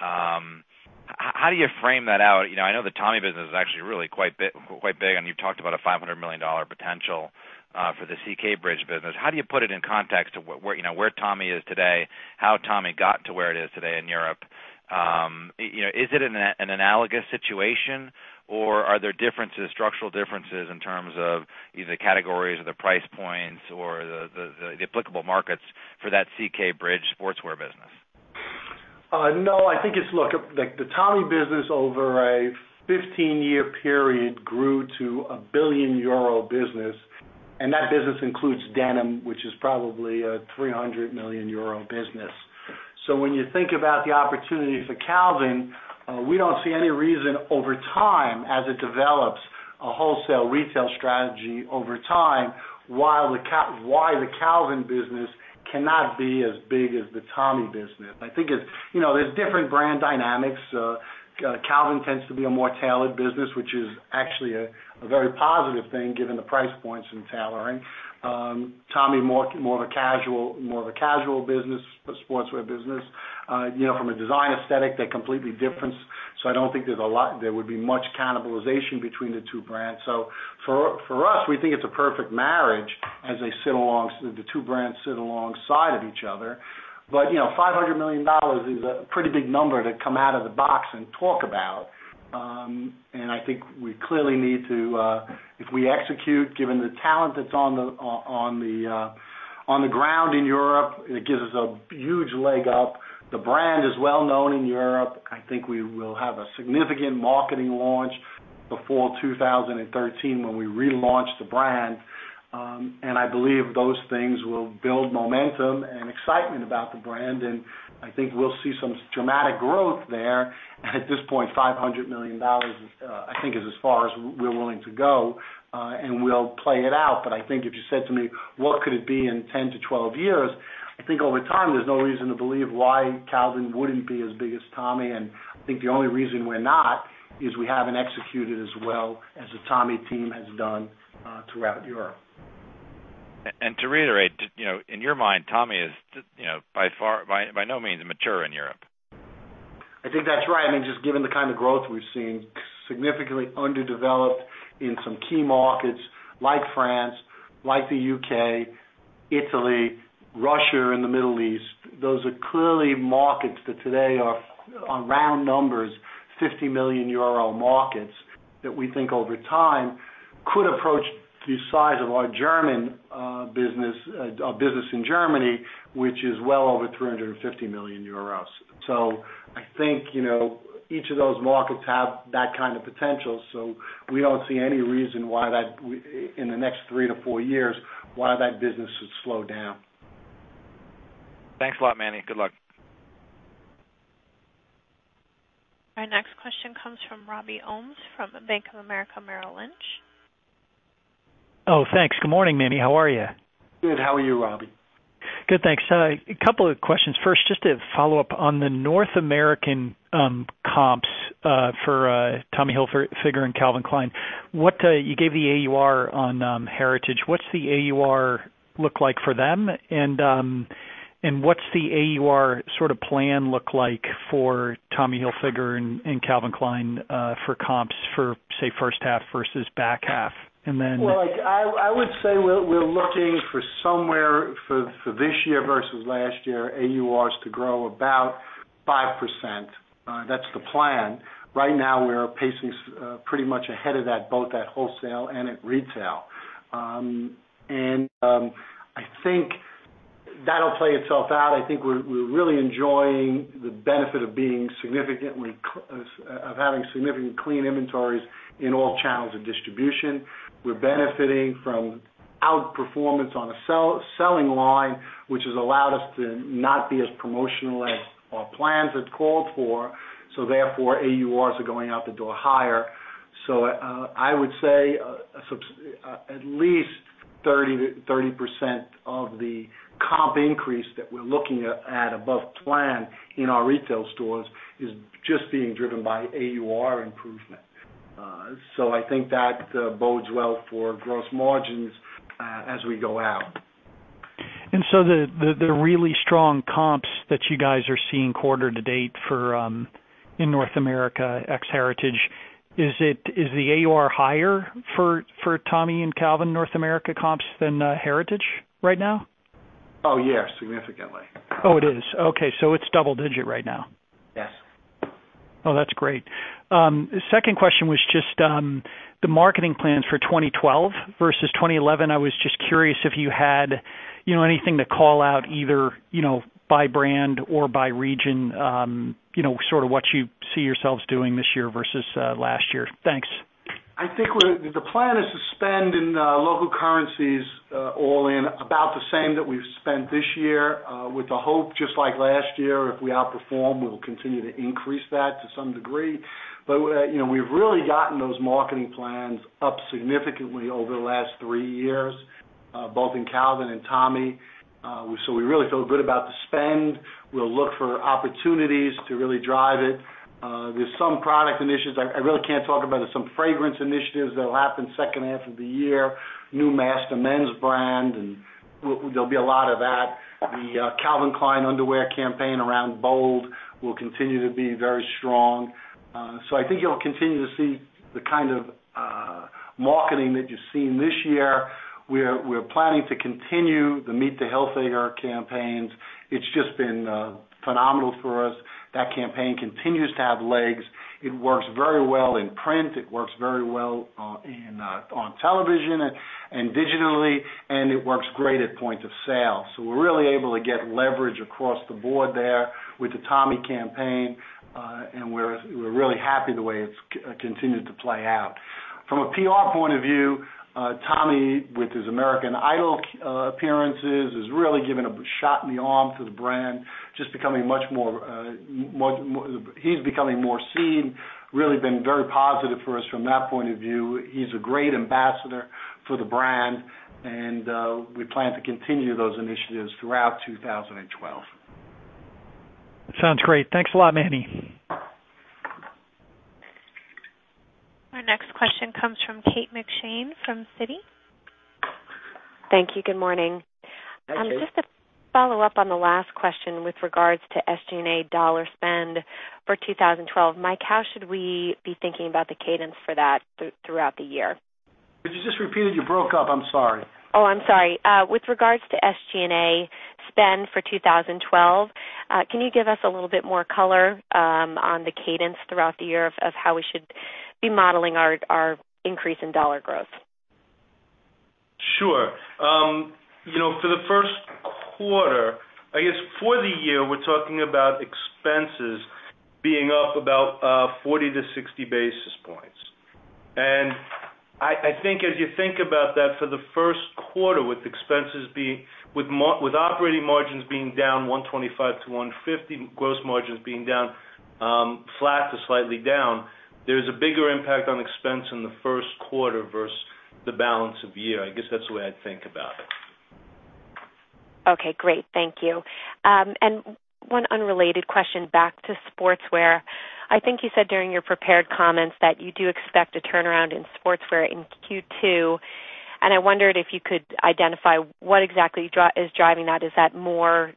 Speaker 9: how do you frame that out? I know the Tommy business is actually really quite big, and you've talked about a $500 million potential for the CK Bridge business. How do you put it in context to where Tommy is today, how Tommy got to where it is today in Europe? Is it an analogous situation, or are there differences, structural differences in terms of either the categories or the price points or the applicable markets for that CK Bridge sportswear business?
Speaker 2: No, I think it's, look, the Tommy business over a 15-year period grew to a €1 billion business. That business includes denim, which is probably a €300 million business. When you think about the opportunity for Calvin, we don't see any reason over time as it develops a wholesale retail strategy over time why the Calvin business cannot be as big as the Tommy business. I think it's, you know, there are different brand dynamics. Calvin tends to be a more tailored business, which is actually a very positive thing given the price points and tailoring. Tommy is more of a casual business, sportswear business. You know, from a design aesthetic, they're completely different. I don't think there would be much cannibalization between the two brands. For us, we think it's a perfect marriage as the two brands sit alongside of each other. $500 million is a pretty big number to come out of the box and talk about. I think we clearly need to, if we execute, given the talent that's on the ground in Europe, it gives us a huge leg up. The brand is well known in Europe. I think we will have a significant marketing launch before 2013 when we relaunch the brand. I believe those things will build momentum and excitement about the brand. I think we'll see some dramatic growth there. At this point, $500 million, I think, is as far as we're willing to go. We'll play it out. If you said to me, what could it be in 10-12 years? I think over time, there's no reason to believe why Calvin wouldn't be as big as Tommy. I think the only reason we're not is we haven't executed as well as the Tommy team has done throughout Europe.
Speaker 9: To reiterate, you know, in your mind, Tommy is by far, by no means immature in Europe.
Speaker 2: I think that's right. I think just given the kind of growth we've seen, significantly underdeveloped in some key markets like France, the UK, Italy, Russia, and the Middle East, those are clearly markets that today are, on round numbers, €50 million markets that we think over time could approach the size of our German business, our business in Germany, which is well over €350 million. I think each of those markets have that kind of potential. We don't see any reason why in the next three to four years that business would slow down.
Speaker 9: Thanks a lot, Manny. Good luck.
Speaker 1: Our next question comes from Robby Ohmes from Bank of America Merrill Lynch.
Speaker 10: Oh, thanks. Good morning, Manny. How are you?
Speaker 2: Good. How are you, Robbie?
Speaker 10: Good, thanks. A couple of questions. First, just to follow up on the North American comps for Tommy Hilfiger and Calvin Klein. You gave the AUR on heritage. What's the AUR look like for them? What's the AUR sort of plan look like for Tommy Hilfiger and Calvin Klein for comps for, say, first half versus back half?
Speaker 2: I would say we're looking for somewhere for this year versus last year, AURs to grow about 5%. That's the plan. Right now, we're pacing pretty much ahead of that, both at wholesale and at retail. I think that'll play itself out. I think we're really enjoying the benefit of having significant clean inventories in all channels of distribution. We're benefiting from outperformance on a selling line, which has allowed us to not be as promotional as our plans had called for. Therefore, AURs are going out the door higher. I would say at least 30% of the comp increase that we're looking at above plan in our retail stores is just being driven by AUR improvement. I think that bodes well for gross margins as we go out.
Speaker 10: The really strong comps that you guys are seeing quarter to date for in North America, ex-heritage, is the AUR higher for Tommy and Calvin North America comps than heritage right now?
Speaker 2: Oh, yeah, significantly.
Speaker 10: Oh, it is. Okay. It's double-digit right now.
Speaker 2: Yes.
Speaker 10: Oh, that's great. Second question was just the marketing plans for 2012 versus 2011. I was just curious if you had anything to call out either by brand or by region, what you see yourselves doing this year versus last year. Thanks.
Speaker 2: I think the plan is to spend in local currencies all in about the same that we've spent this year with the hope, just like last year, if we outperform, we'll continue to increase that to some degree. We've really gotten those marketing plans up significantly over the last three years, both in Calvin and Tommy. We really feel good about the spend. We'll look for opportunities to really drive it. There are some product initiatives I really can't talk about. There are some fragrance initiatives that'll happen second half of the year, new master men's brand, and there'll be a lot of that. The Calvin Klein underwear campaign around Bold will continue to be very strong. I think you'll continue to see the kind of marketing that you've seen this year. We're planning to continue the Meet the Hilfiger campaigns. It's just been phenomenal for us. That campaign continues to have legs. It works very well in print, it works very well on television and digitally, and it works great at point of sale. We're really able to get leverage across the board there with the Tommy campaign, and we're really happy the way it's continued to play out. From a PR point of view, Tommy, with his American Idol appearances, has really given a shot in the arm to the brand, just becoming much more, he's becoming more seen, really been very positive for us from that point of view. He's a great ambassador for the brand, and we plan to continue those initiatives throughout 2012.
Speaker 10: That sounds great. Thanks a lot, Manny.
Speaker 1: Our next question comes from Kate McShane from Citi.
Speaker 11: Thank you. Good morning.
Speaker 2: Thank you.
Speaker 11: Just to follow up on the last question with regards to SG&A dollar spend for 2012, Mike, how should we be thinking about the cadence for that throughout the year?
Speaker 2: Could you just repeat it? You broke up. I'm sorry.
Speaker 11: I'm sorry. With regards to SG&A spend for 2012, can you give us a little bit more color on the cadence throughout the year of how we should be modeling our increase in dollar growth?
Speaker 2: Sure. For the first quarter, I guess for the year, we're talking about expenses being up about 40-60 basis points. I think as you think about that for the first quarter, with expenses being, with operating margins being down 125-150, gross margins being down flat to slightly down, there's a bigger impact on expense in the first quarter versus the balance of year. I guess that's the way I'd think about it.
Speaker 11: Okay. Great. Thank you. One unrelated question back to sportswear. I think you said during your prepared comments that you do expect a turnaround in sportswear in Q2. I wondered if you could identify what exactly is driving that. Is that more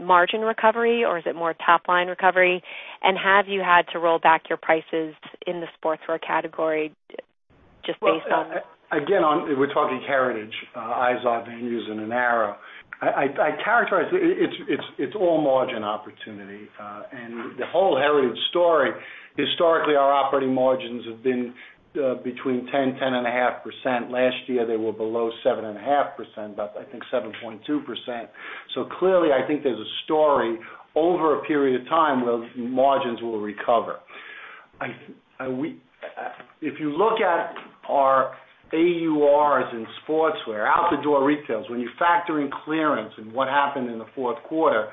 Speaker 11: margin recovery, or is it more top-line recovery? Have you had to roll back your prices in the sportswear category just based on?
Speaker 2: Again, we're talking heritage, Izod, Van Heusen, and Arrow. I characterize it's all margin opportunity. The whole heritage story, historically, our operating margins have been between 10%, 10.5%. Last year, they were below 7.5%, about, I think, 7.2%. Clearly, I think there's a story over a period of time where margins will recover. If you look at our AURs in sportswear, out-the-door retails, when you factor in clearance and what happened in the fourth quarter,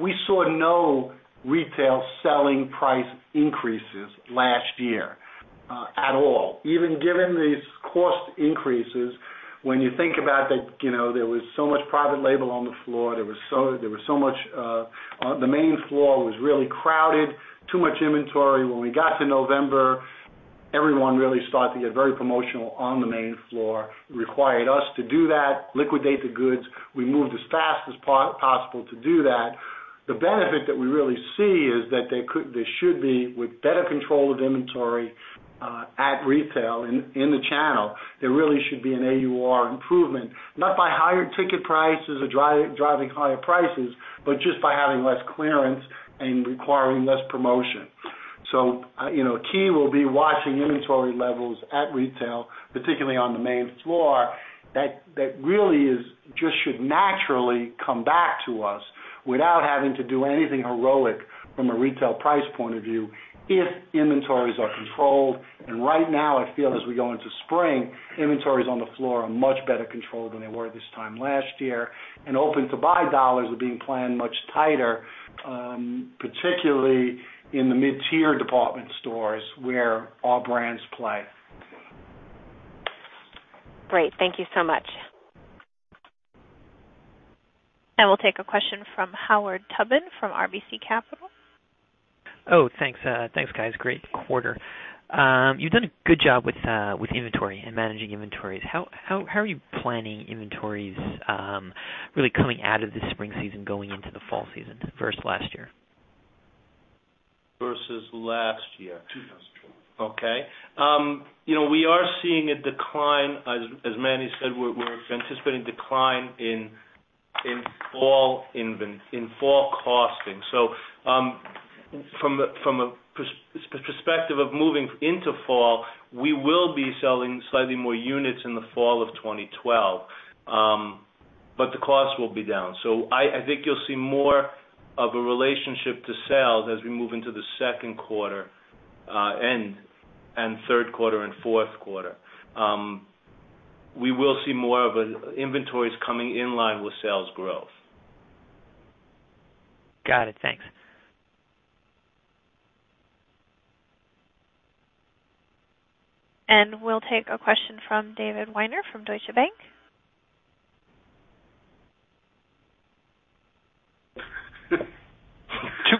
Speaker 2: we saw no retail selling price increases last year at all. Even given these cost increases, when you think about that, there was so much private label on the floor. The main floor was really crowded, too much inventory. When we got to November, everyone really started to get very promotional on the main floor. It required us to do that, liquidate the goods. We moved as fast as possible to do that. The benefit that we really see is that there should be, with better control of inventory at retail in the channel, there really should be an AUR improvement, not by higher ticket prices or driving higher prices, but just by having less clearance and requiring less promotion. Key will be watching inventory levels at retail, particularly on the main floor. That really just should naturally come back to us without having to do anything heroic from a retail price point of view if inventories are controlled. Right now, I feel as we go into spring, inventories on the floor are much better controlled than they were this time last year. Open-to-buy dollars are being planned much tighter, particularly in the mid-tier department stores where our brands play.
Speaker 11: Great. Thank you so much.
Speaker 1: We will take a question from Howard Sacarob from RBC Capital.
Speaker 12: Thanks, guys. Great quarter. You've done a good job with inventory and managing inventories. How are you planning inventories really coming out of the spring season, going into the fall season versus last year?
Speaker 2: Versus last year. We are seeing a decline. As Manny said, we're anticipating a decline in fall costing. From a perspective of moving into fall, we will be selling slightly more units in the fall of 2012, but the costs will be down. I think you'll see more of a relationship to sales as we move into the second quarter, third quarter, and fourth quarter. We will see more of inventories coming in line with sales growth.
Speaker 12: Got it. Thanks.
Speaker 1: We will take a question from David Weiner from Deutsche Bank.
Speaker 13: Two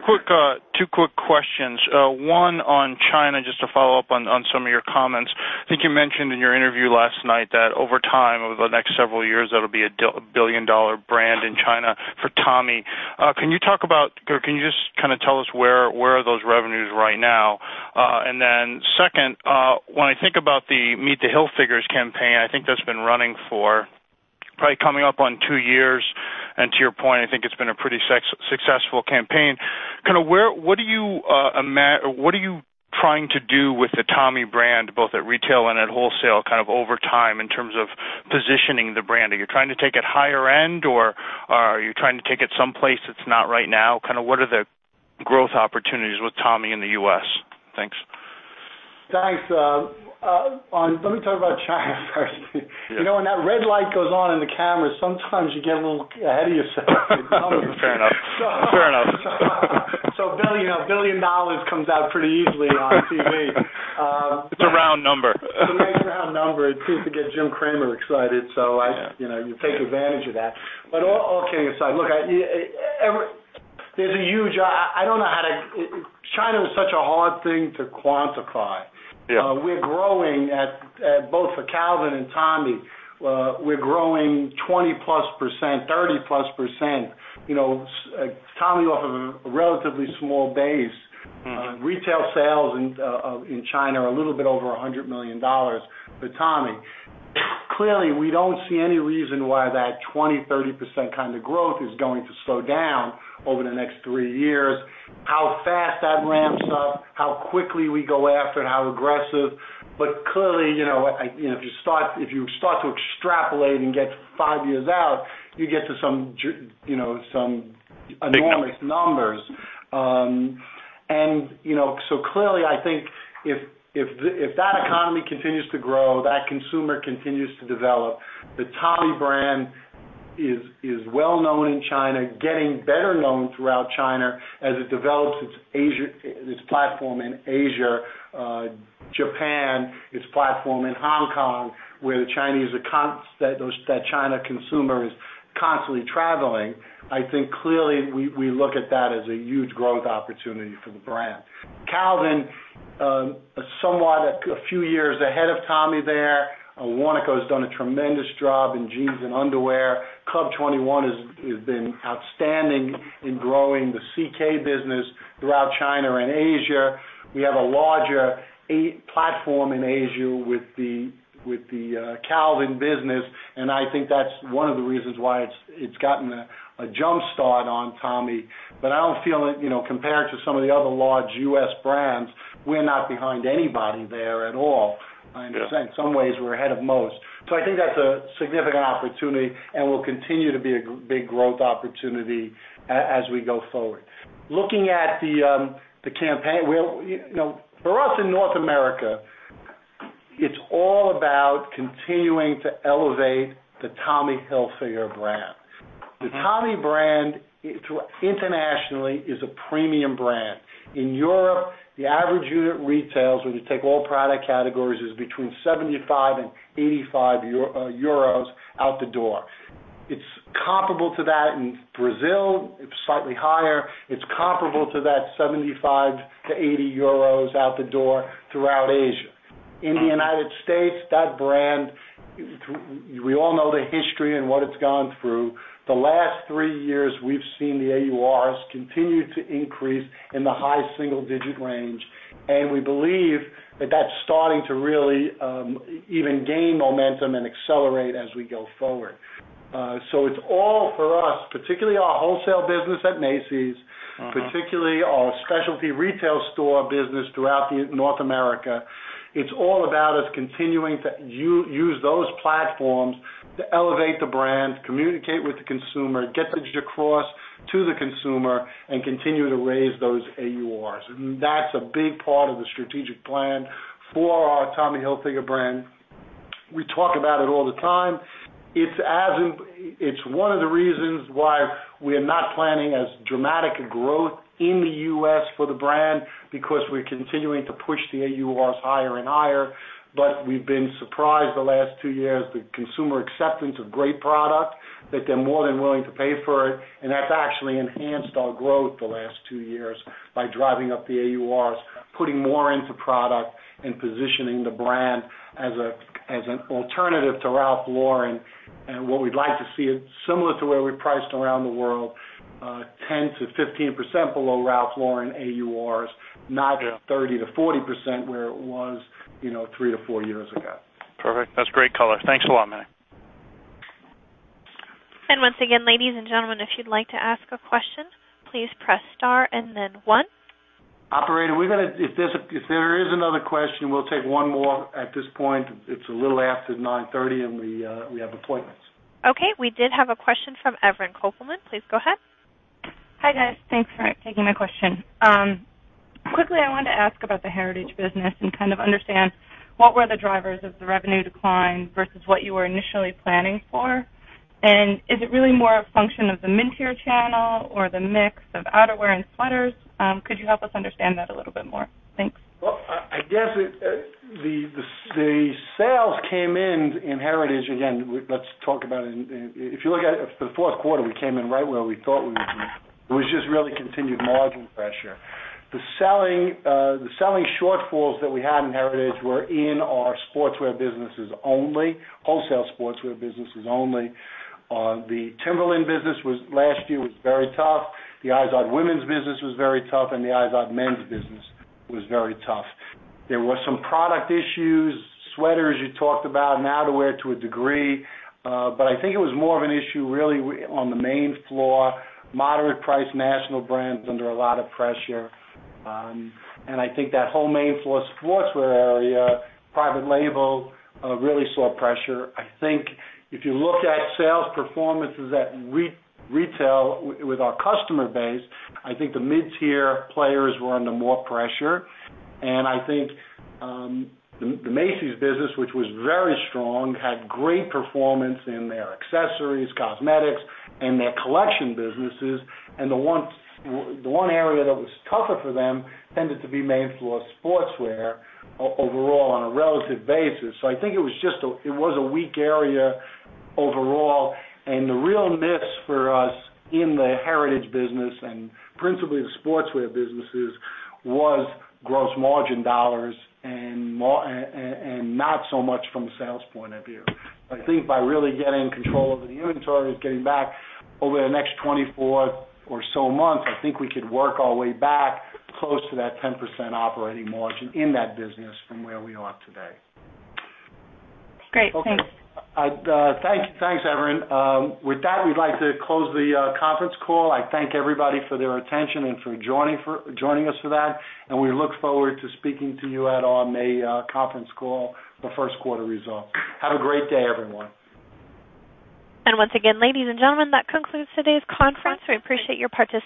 Speaker 13: quick questions. One on China, just to follow up on some of your comments. I think you mentioned in your interview last night that over time, over the next several years, that'll be a billion-dollar brand in China for Tommy. Can you talk about, or can you just kind of tell us where are those revenues right now? Second, when I think about the Meet the Hilfigers campaign, I think that's been running for probably coming up on two years. To your point, I think it's been a pretty successful campaign. What are you trying to do with the Tommy brand, both at retail and at wholesale, over time in terms of positioning the brand? Are you trying to take it higher end, or are you trying to take it someplace that's not right now? What are the growth opportunities with Tommy in the U.S.? Thanks.
Speaker 2: Let me talk about China first. You know, when that red light goes on in the camera, sometimes you get a little ahead of yourself.
Speaker 13: Fair enough. Fair enough.
Speaker 2: A billion dollars comes out pretty easily on TV.
Speaker 13: It's a round number.
Speaker 2: It's a nice round number. It seems to get Jim Cramer excited. You take advantage of that. All kidding aside, look, there's a huge, I don't know how to, China is such a hard thing to quantify. We're growing at both for Calvin and Tommy. We're growing 20+%, 30+%. Tommy off of a relatively small base. Retail sales in China are a little bit over $100 million. For Tommy, clearly, we don't see any reason why that 20%, 30% kind of growth is going to slow down over the next three years. How fast that ramps up, how quickly we go after it, how aggressive. Clearly, if you start to extrapolate and get five years out, you get to some enormous numbers. Clearly, I think if that economy continues to grow, that consumer continues to develop, the Tommy brand is well known in China, getting better known throughout China as it develops its Asia, its platform in Asia, Japan, its platform in Hong Kong, where the China consumer is constantly traveling. I think clearly we look at that as a huge growth opportunity for the brand. Calvin is somewhat a few years ahead of Tommy there. Oraniko has done a tremendous job in jeans and underwear. Club 21 has been outstanding in growing the CK business throughout China and Asia. We have a larger platform in Asia with the Calvin business. I think that's one of the reasons why it's gotten a jumpstart on Tommy. I don't feel it, compared to some of the other large U.S. brands, we're not behind anybody there at all. In some ways, we're ahead of most. I think that's a significant opportunity and will continue to be a big growth opportunity as we go forward. Looking at the campaign, for us in North America, it's all about continuing to elevate the Tommy Hilfiger brand. The Tommy brand internationally is a premium brand. In Europe, the average unit retails, when you take all product categories, is between €75 and €85 out the door. It's comparable to that in Brazil. It's slightly higher. It's comparable to that €75-€80 out the door throughout Asia. In the United States, that brand, we all know the history and what it's gone through. The last three years, we've seen the AURs continue to increase in the high single-digit range. We believe that that's starting to really even gain momentum and accelerate as we go forward. It is all for us, particularly our wholesale business at Macy's, particularly our specialty retail store business throughout North America. It is all about us continuing to use those platforms to elevate the brand, communicate with the consumer, get across to the consumer, and continue to raise those AURs. That is a big part of the strategic plan for our Tommy Hilfiger brand. We talk about it all the time. It is one of the reasons why we are not planning as dramatic a growth in the U.S. for the brand because we are continuing to push the AURs higher and higher. We have been surprised the last two years by the consumer acceptance of great product, that they are more than willing to pay for it. That has actually enhanced our growth the last two years by driving up the AURs, putting more into product, and positioning the brand as an alternative to Ralph Lauren. What we would like to see is similar to where we priced around the world, 10%-15% below Ralph Lauren AURs, not at a 30%-40% where it was, you know, three to four years ago.
Speaker 13: Perfect. That's great color. Thanks a lot, Manny.
Speaker 1: Once again, ladies and gentlemen, if you'd like to ask a question, please press Star and then one.
Speaker 2: Operator, we're going to, if there is another question, we'll take one more at this point. It's a little after 9:30 A.M., and we have appointments.
Speaker 1: Okay. We did have a question from Evelyn Kokelman. Please go ahead. Hi, guys. Thanks for taking my question. Quickly, I want to ask about the heritage business and kind of understand what were the drivers of the revenue decline versus what you were initially planning for. Is it really more a function of the multi-tier channel or the mix of outerwear and sweaters? Could you help us understand that a little bit more? Thanks.
Speaker 2: The sales came in in heritage. Again, let's talk about it. If you look at it for the fourth quarter, we came in right where we thought we were. It was just really continued margin pressure. The selling shortfalls that we had in heritage were in our sportswear businesses only, wholesale sportswear businesses only. The Timberland business last year was very tough. The Izod women's business was very tough, and the Izod men's business was very tough. There were some product issues, sweaters you talked about, and outerwear to a degree. I think it was more of an issue really on the main floor, moderate price national brands under a lot of pressure. I think that whole main floor sportswear area, private label, really saw pressure. If you look at sales performances at retail with our customer base, I think the mid-tier players were under more pressure. I think the Macy's business, which was very strong, had great performance in their accessories, cosmetics, and their collection businesses. The one area that was tougher for them tended to be main floor sportswear overall on a relative basis. I think it was just a weak area overall. The real nips for us in the heritage business and principally the sportswear businesses was gross margin dollars and not so much from a sales point of view. I think by really getting control over the inventories, getting back over the next 24 or so months, we could work our way back close to that 10% operating margin in that business from where we are today. Great. Thanks. Thanks, thanks, Evelyn. With that, we'd like to close the conference call. I thank everybody for their attention and for joining us for that. We look forward to speaking to you at our May conference call for first quarter results. Have a great day, everyone.
Speaker 1: Once again, ladies and gentlemen, that concludes today's conference. We appreciate your participation.